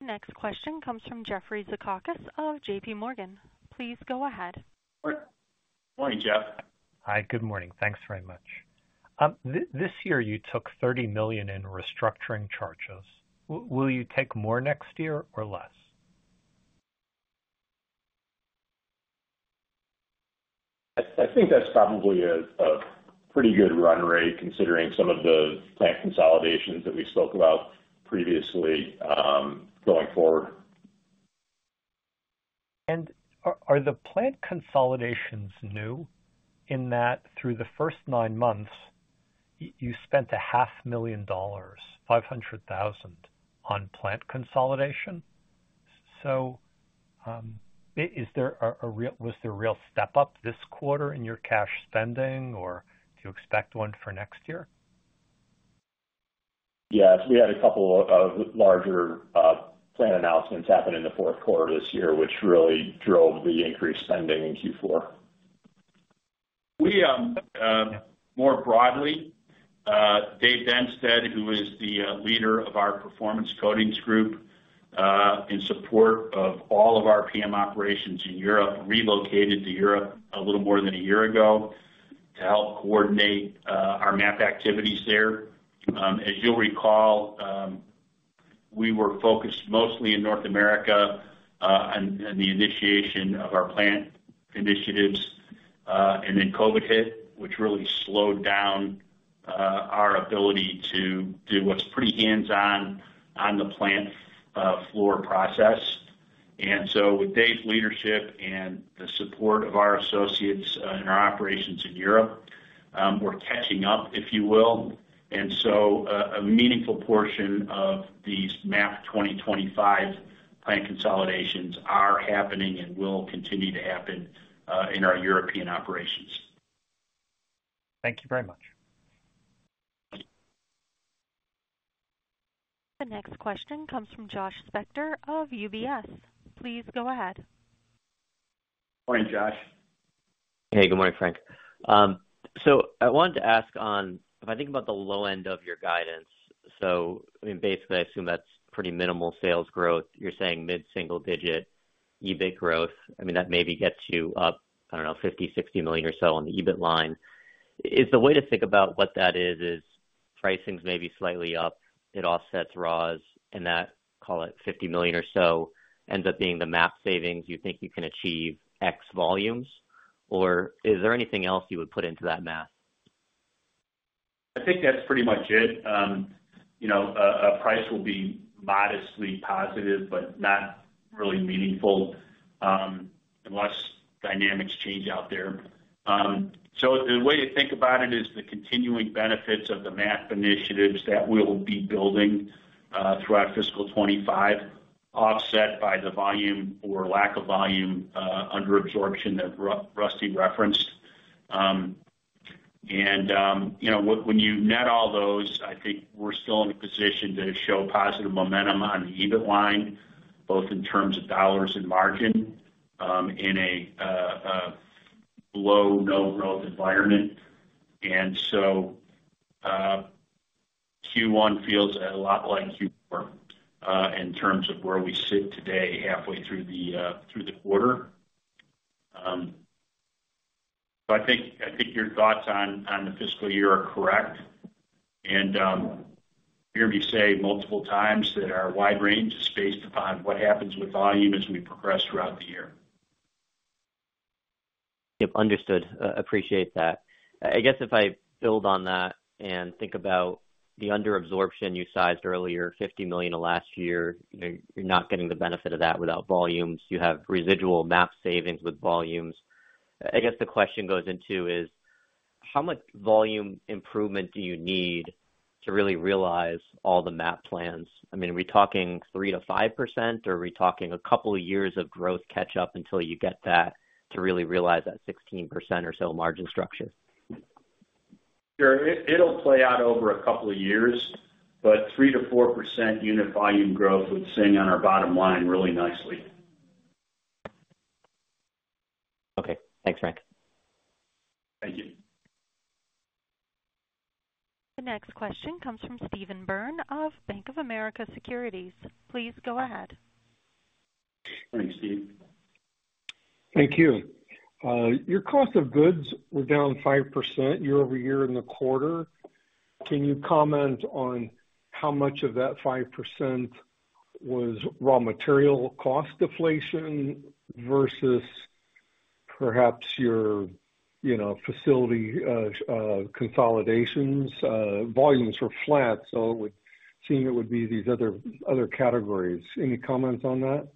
Next question comes from Jeffrey Zekauskas of J.P. Morgan. Please go ahead. Morning, Jeff. Hi, good morning. Thanks very much. This year, you took $30 million in restructuring charges. Will you take more next year or less? I think that's probably a pretty good run rate, considering some of the plant consolidations that we spoke about previously, going forward. Are the plant consolidations new, in that through the first nine months, you spent $500,000 on plant consolidation? So, is there a real step up this quarter in your cash spending, or do you expect one for next year? Yes, we had a couple of larger plan announcements happen in the Q4 this year, which really drove the increased spending in Q4. We, more broadly, David Dennsteadt, who is the leader of our Performance Coatings Group, in support of all of our PM operations in Europe, relocated to Europe a little more than a year ago to help coordinate our MAP activities there. As you'll recall, we were focused mostly in North America on the initiation of our plant initiatives, and then COVID hit, which really slowed down our ability to do what's pretty hands-on on the plant floor process. And so with Dave's leadership and the support of our associates in our operations in Europe, we're catching up, if you will. A meaningful portion of these MAP 2025 plant consolidations are happening and will continue to happen in our European operations. Thank you very much. The next question comes from Josh Spector of UBS. Please go ahead. Morning, Josh. Hey, good morning, Frank. So I wanted to ask on... if I think about the low end of your guidance, so, I mean, basically, I assume that's pretty minimal sales growth. You're saying mid-single digit EBIT growth. I mean, that maybe gets you up, I don't know, $50-$60 million or so on the EBIT line. Is the way to think about what that is, is pricing's maybe slightly up, it offsets raws, and that, call it $50 million or so, ends up being the MAP savings you think you can achieve X volumes? Or is there anything else you would put into that math? I think that's pretty much it. You know, price will be modestly positive, but not really meaningful, unless dynamics change out there. So the way to think about it is the continuing benefits of the MAP initiatives that we'll be building throughout fiscal 2025, offset by the volume or lack of volume under absorption that Rusty referenced. And you know, when you net all those, I think we're still in a position to show positive momentum on the EBIT line, both in terms of dollars and margin, in a low, no growth environment. So Q1 feels a lot like Q4, in terms of where we sit today, halfway through the quarter. So I think your thoughts on the fiscal year are correct. You hear me say multiple times that our wide range is based upon what happens with volume as we progress throughout the year. Yep, understood. Appreciate that. I guess if I build on that and think about the under absorption you sized earlier, $50 million of last year, you're not getting the benefit of that without volumes. You have residual MAP savings with volumes. I guess the question goes into is: how much volume improvement do you need to really realize all the MAP plans? I mean, are we talking 3%-5%, or are we talking a couple of years of growth catch up until you get that to really realize that 16% or so margin structure? Sure. It'll play out over a couple of years, but 3-4% unit volume growth would sit on our bottom line really nicely. Okay. Thanks, Frank. Thank you. The next question comes from Steve Byrne of Bank of America Securities. Please go ahead. Thanks, Steve. Thank you. Your cost of goods were down 5% year-over-year in the quarter. Can you comment on how much of that 5% was raw material cost deflation versus perhaps your, you know, facility consolidations? Volumes were flat, so it would seem it would be these other categories. Any comments on that?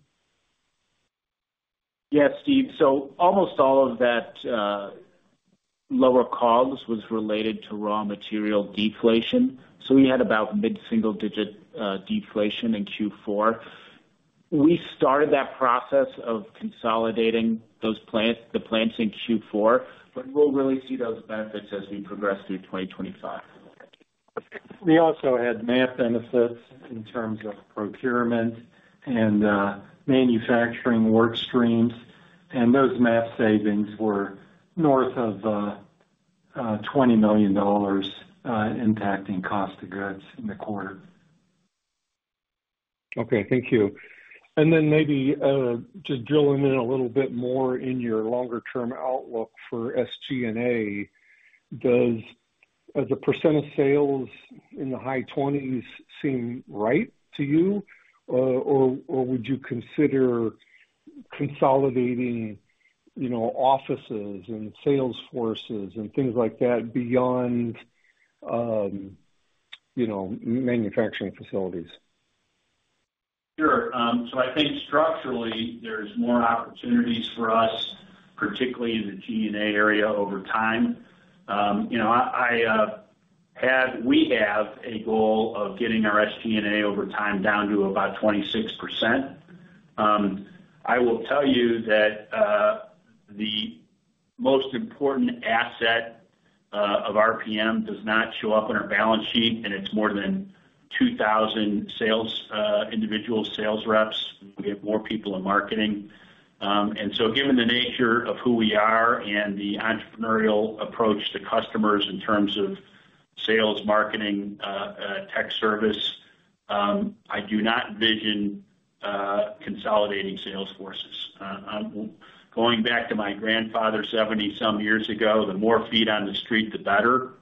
Yeah, Steve. So almost all of that lower COGS was related to raw material deflation. So we had about mid-single digit deflation in Q4. We started that process of consolidating those plants, the plants in Q4, but we'll really see those benefits as we progress through 2025. Okay. We also had MAP benefits in terms of procurement and manufacturing work streams, and those MAP savings were north of $20 million, impacting cost of goods in the quarter. Okay, thank you. And then maybe, just drilling in a little bit more in your longer term outlook for SG&A, does, does the % of sales in the high twenties seem right to you? Or, or, or would you consider consolidating, you know, offices and sales forces and things like that beyond, you know, manufacturing facilities? Sure. So I think structurally, there's more opportunities for us, particularly in the SG&A area over time. You know, we have a goal of getting our SG&A over time down to about 26%. I will tell you that the most important asset of RPM does not show up on our balance sheet, and it's more than 2,000 sales individual sales reps. We have more people in marketing. And so given the nature of who we are and the entrepreneurial approach to customers in terms of sales, marketing, tech service, I do not envision consolidating sales forces. Going back to my grandfather, 70-some years ago, the more feet on the street, the better.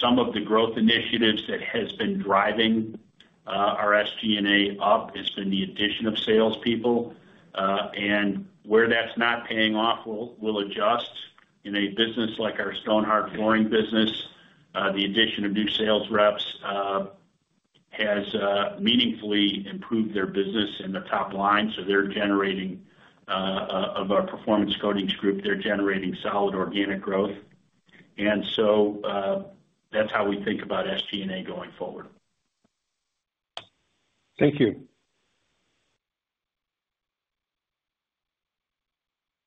Some of the growth initiatives that has been driving our SG&A up has been the addition of salespeople. And where that's not paying off, we'll adjust. In a business like our Stonhard flooring business, the addition of new sales reps has meaningfully improved their business in the top line, so they're generating of our Performance Coatings Group, they're generating solid organic growth. And so, that's how we think about SG&A going forward. Thank you.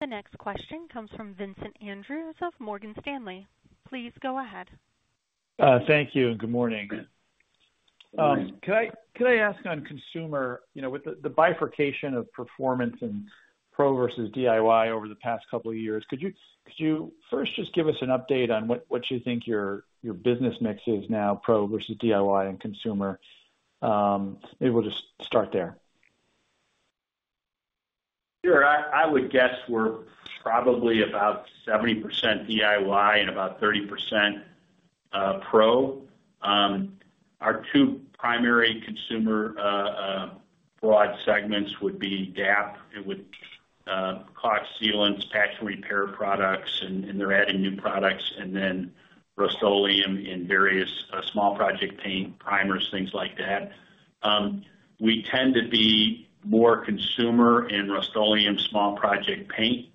The next question comes from Vincent Andrews of Morgan Stanley. Please go ahead. Thank you, and good morning. Good morning. Could I ask on consumer, you know, with the bifurcation of performance and pro versus DIY over the past couple of years, could you first just give us an update on what you think your business mix is now, pro versus DIY and consumer? Maybe we'll just start there. Sure. I would guess we're probably about 70% DIY and about 30% pro. Our two primary consumer broad segments would be DAP. It would caulk, sealants, patch and repair products, and they're adding new products, and then Rust-Oleum and various small project paint, primers, things like that. We tend to be more consumer in Rust-Oleum small project paint,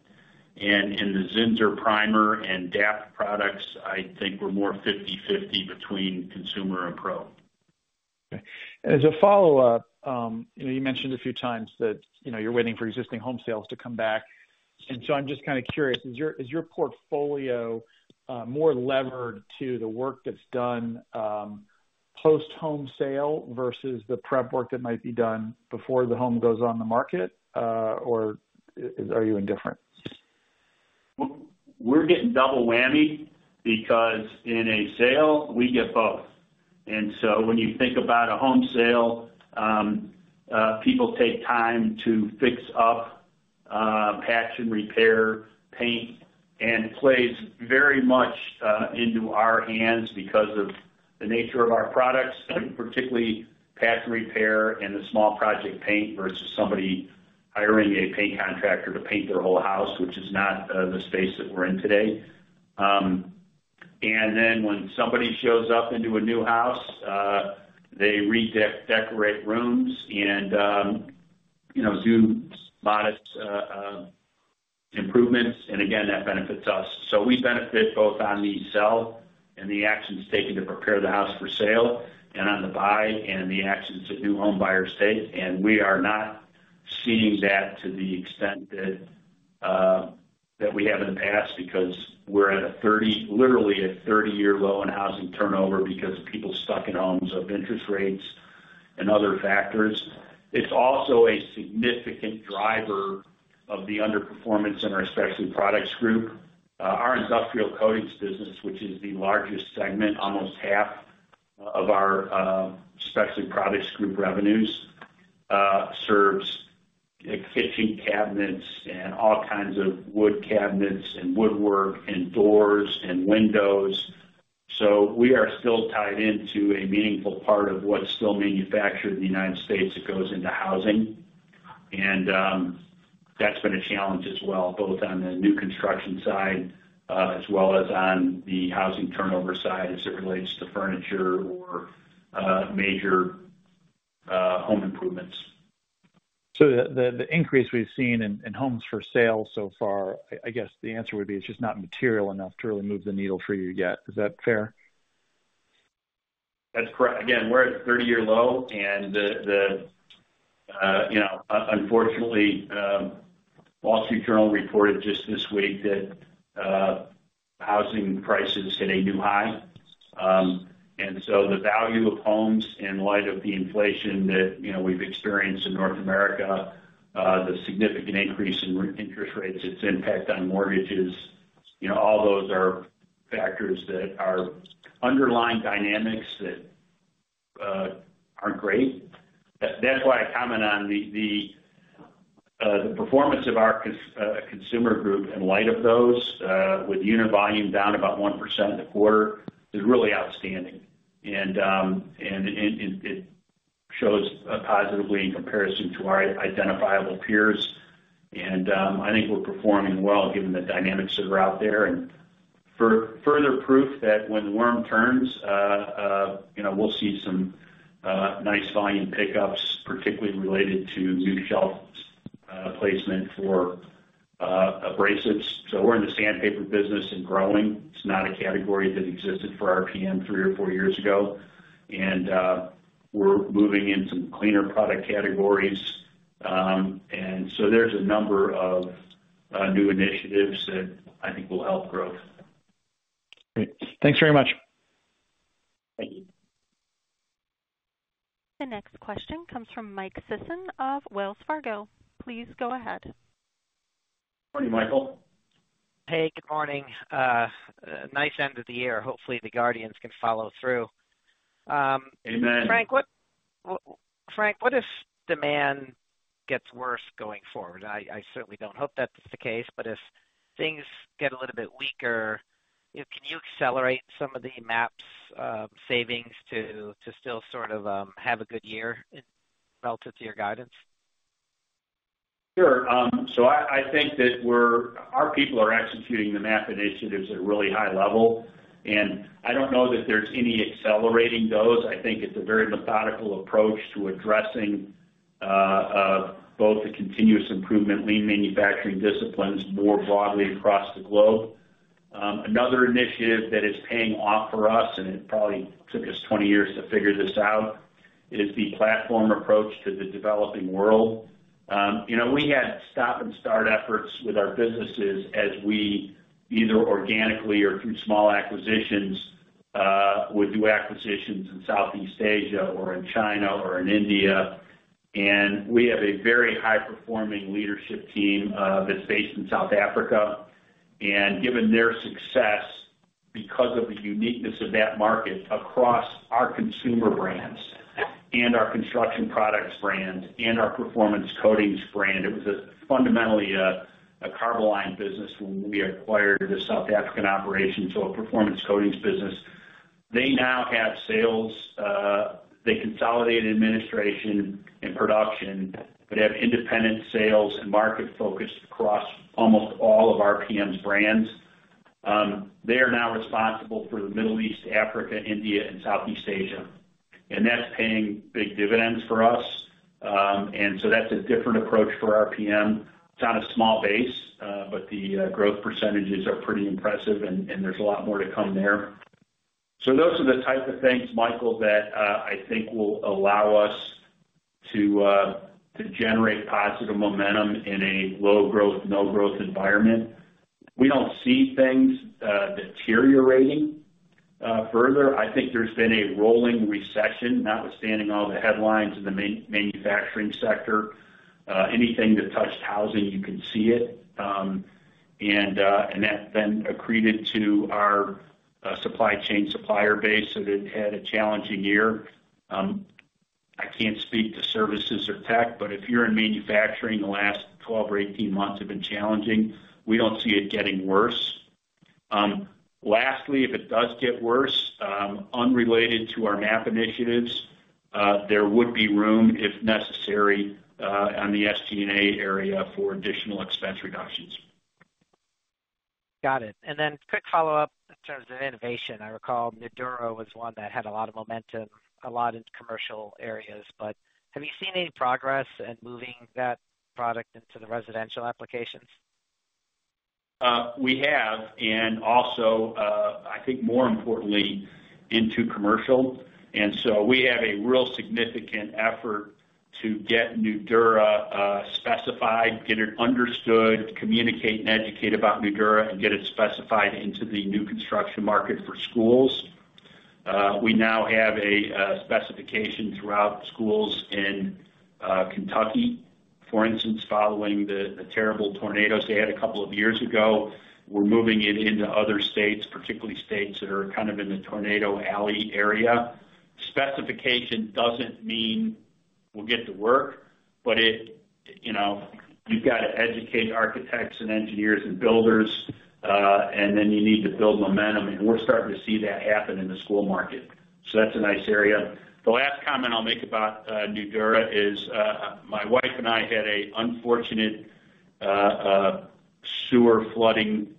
and in the Zinsser primer and DAP products, I think we're more 50/50 between consumer and pro. Okay. As a follow-up, you know, you mentioned a few times that, you know, you're waiting for existing home sales to come back, and so I'm just kind of curious, is your portfolio more levered to the work that's done post-home sale versus the prep work that might be done before the home goes on the market, or are you indifferent? We're getting double whammy because in a sale, we get both. So when you think about a home sale, people take time to fix up, patch and repair, paint, and it plays very much into our hands because of the nature of our products, particularly patch and repair and the small project paint, versus somebody hiring a paint contractor to paint their whole house, which is not the space that we're in today. And then when somebody shows up into a new house, they redecorate rooms and, you know, do modest improvements, and again, that benefits us. So we benefit both on the sell and the actions taken to prepare the house for sale and on the buy and the actions that new home buyers take. We are not seeing that to the extent that, that we have in the past, because we're at a 30, literally a 30-year low in housing turnover because people are stuck in homes of interest rates and other factors. It's also a significant driver of the underperformance in our Specialty Products Group. Our industrial coatings business, which is the largest segment, almost half of our, Specialty Products Group revenues, serves like kitchen cabinets and all kinds of wood cabinets, and woodwork, and doors, and windows. So we are still tied into a meaningful part of what's still manufactured in the United States that goes into housing. And, that's been a challenge as well, both on the new construction side, as well as on the housing turnover side as it relates to furniture or, major, home improvements. So the increase we've seen in homes for sale so far, I guess, the answer would be it's just not material enough to really move the needle for you yet. Is that fair? That's correct. Again, we're at a 30-year low, and you know, unfortunately, Wall Street Journal reported just this week that housing prices hit a new high. And so the value of homes in light of the inflation that you know, we've experienced in North America, the significant increase in interest rates, its impact on mortgages, you know, all those are factors that are underlying dynamics that aren't great. That's why I comment on the performance of our consumer group in light of those, with unit volume down about 1% in the quarter, is really outstanding. And it shows positively in comparison to our identifiable peers. And I think we're performing well given the dynamics that are out there. For further proof that when the worm turns, you know, we'll see some nice volume pickups, particularly related to new shelf placement for abrasives. So we're in the sandpaper business and growing. It's not a category that existed for RPM three or four years ago, and we're moving into cleaner product categories. And so there's a number of new initiatives that I think will help growth. Great. Thanks very much. Thank you. The next question comes from Mike Sison of Wells Fargo. Please go ahead. Good morning, Michael. Hey, good morning. A nice end of the year. Hopefully, the Guardians can follow through. Amen. Frank, what if demand gets worse going forward? I certainly don't hope that's the case, but if things get a little bit weaker, you know, can you accelerate some of the MAPs savings to still sort of have a good year relative to your guidance? Sure. So I think that we're our people are executing the MAP initiatives at a really high level, and I don't know that there's any accelerating those. I think it's a very methodical approach to addressing both the continuous improvement lean manufacturing disciplines more broadly across the globe. Another initiative that is paying off for us, and it probably took us 20 years to figure this out, is the platform approach to the developing world. You know, we had stop and start efforts with our businesses as we, either organically or through small acquisitions, would do acquisitions in Southeast Asia or in China or in India. And we have a very high-performing leadership team that's based in South Africa. And given their success, because of the uniqueness of that market across our consumer brands and our construction products brand and our performance coatings brand, it was fundamentally a Carboline business when we acquired a South African operation, so a performance coatings business. They now have sales, they consolidated administration and production, but have independent sales and market focus across almost all of RPM's brands. They are now responsible for the Middle East, Africa, India, and Southeast Asia, and that's paying big dividends for us. And so that's a different approach for RPM. It's on a small base, but the growth percentages are pretty impressive, and there's a lot more to come there. So those are the types of things, Michael, that I think will allow us to generate positive momentum in a low growth, no growth environment. We don't see things deteriorating further. I think there's been a rolling recession, notwithstanding all the headlines in the manufacturing sector, anything that touched housing, you can see it. And that then accreted to our supply chain supplier base that had had a challenging year. I can't speak to services or tech, but if you're in manufacturing, the last 12 or 18 months have been challenging. We don't see it getting worse. Lastly, if it does get worse, unrelated to our MAP initiatives, there would be room, if necessary, on the SG&A area for additional expense reductions. Got it. And then quick follow-up in terms of innovation. I recall Nudura was one that had a lot of momentum, a lot in commercial areas, but have you seen any progress in moving that product into the residential applications? We have, and also, I think more importantly, into commercial. And so we have a real significant effort to get Nudura specified, get it understood, communicate and educate about Nudura, and get it specified into the new construction market for schools. We now have a specification throughout schools in Kentucky, for instance, following the terrible tornadoes they had a couple of years ago. We're moving it into other states, particularly states that are kind of in the Tornado Alley area. Specification doesn't mean we'll get to work, but it, you know, you've got to educate architects and engineers and builders, and then you need to build momentum, and we're starting to see that happen in the school market. So that's a nice area. The last comment I'll make about Nudura is my wife and I had an unfortunate sewer flooding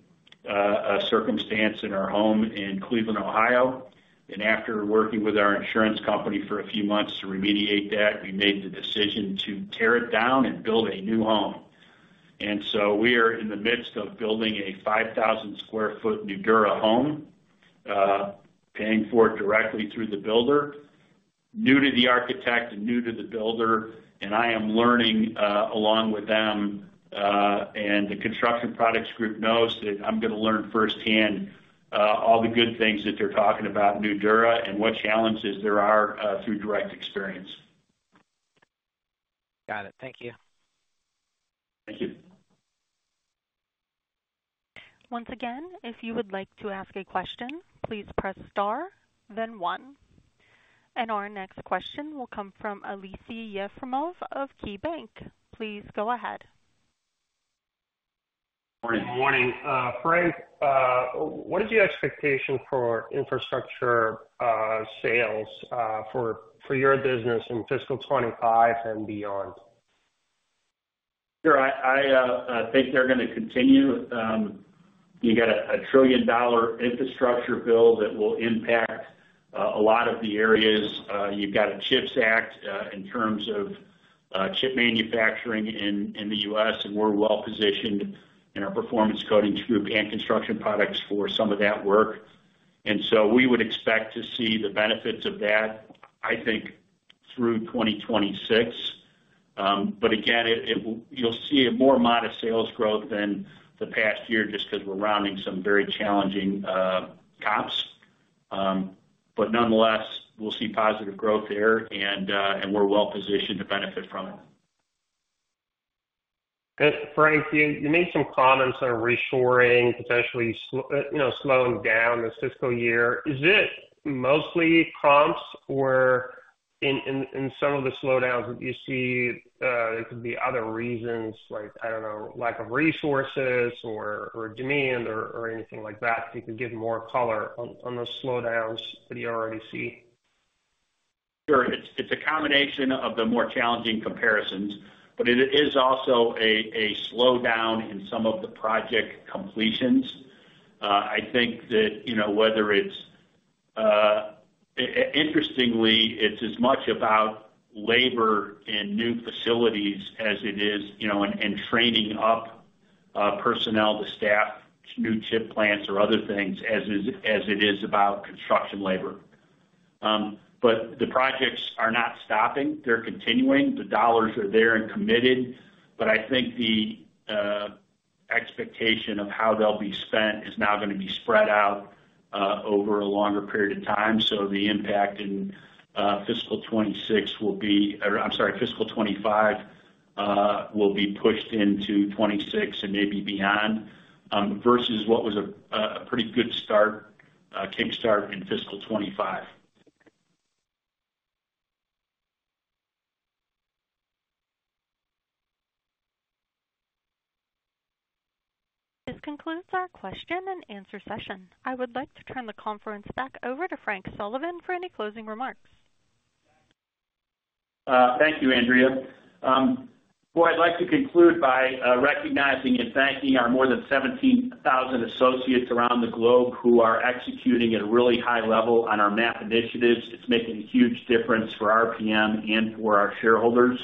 circumstance in our home in Cleveland, Ohio, and after working with our insurance company for a few months to remediate that, we made the decision to tear it down and build a new home. And so we are in the midst of building a 5,000 sq ft Nudura home, paying for it directly through the builder. New to the architect and new to the builder, and I am learning along with them, and the Construction Products Group knows that I'm gonna learn firsthand all the good things that they're talking about Nudura and what challenges there are through direct experience. Got it. Thank you. Thank you. Once again, if you would like to ask a question, please press star, then one. Our next question will come from Aleksey Yefremov of KeyBanc. Please go ahead. Good morning. Frank, what is your expectation for infrastructure sales for your business in fiscal 25 and beyond? Sure. I think they're gonna continue. You got a $1 trillion infrastructure bill that will impact a lot of the areas. You've got a CHIPS Act in terms of chip manufacturing in the US, and we're well positioned in our Performance Coatings Group and Construction Products Group for some of that work. And so we would expect to see the benefits of that, I think, through 2026. But again, you'll see a more modest sales growth than the past year just 'cause we're rounding some very challenging comps. But nonetheless, we'll see positive growth there, and we're well positioned to benefit from it. Frank, you made some comments on reshoring, potentially slowing down this fiscal year. Is it mostly comps or in some of the slowdowns, do you see it could be other reasons like, I don't know, lack of resources or demand or anything like that? If you could give more color on those slowdowns that you already see. Sure. It's a combination of the more challenging comparisons, but it is also a slowdown in some of the project completions. I think that, you know, whether it's... Interestingly, it's as much about labor and new facilities as it is, you know, and training up personnel to staff new chip plants or other things as it is about construction labor. But the projects are not stopping. They're continuing. The dollars are there and committed, but I think the expectation of how they'll be spent is now gonna be spread out over a longer period of time. So the impact in fiscal 2026 will be... or I'm sorry, fiscal 2025, will be pushed into 2026 and maybe beyond, versus what was a pretty good kick start in fiscal 2025. This concludes our question and answer session. I would like to turn the conference back over to Frank Sullivan for any closing remarks. Thank you, Andrea. Well, I'd like to conclude by recognizing and thanking our more than 17,000 associates around the globe who are executing at a really high level on our MAP initiatives. It's making a huge difference for RPM and for our shareholders.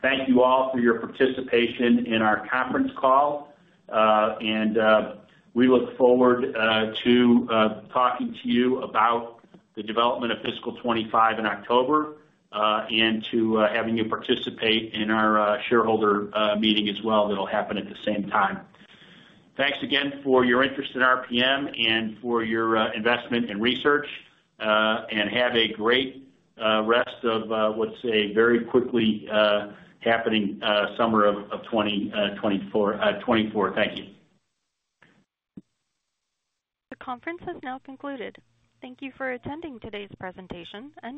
Thank you all for your participation in our conference call, and we look forward to talking to you about the development of fiscal 2025 in October, and to having you participate in our shareholder meeting as well. That'll happen at the same time. Thanks again for your interest in RPM and for your investment and research, and have a great rest of what's a very quickly happening summer of 2024. Thank you. The conference has now concluded. Thank you for attending today's presentation and-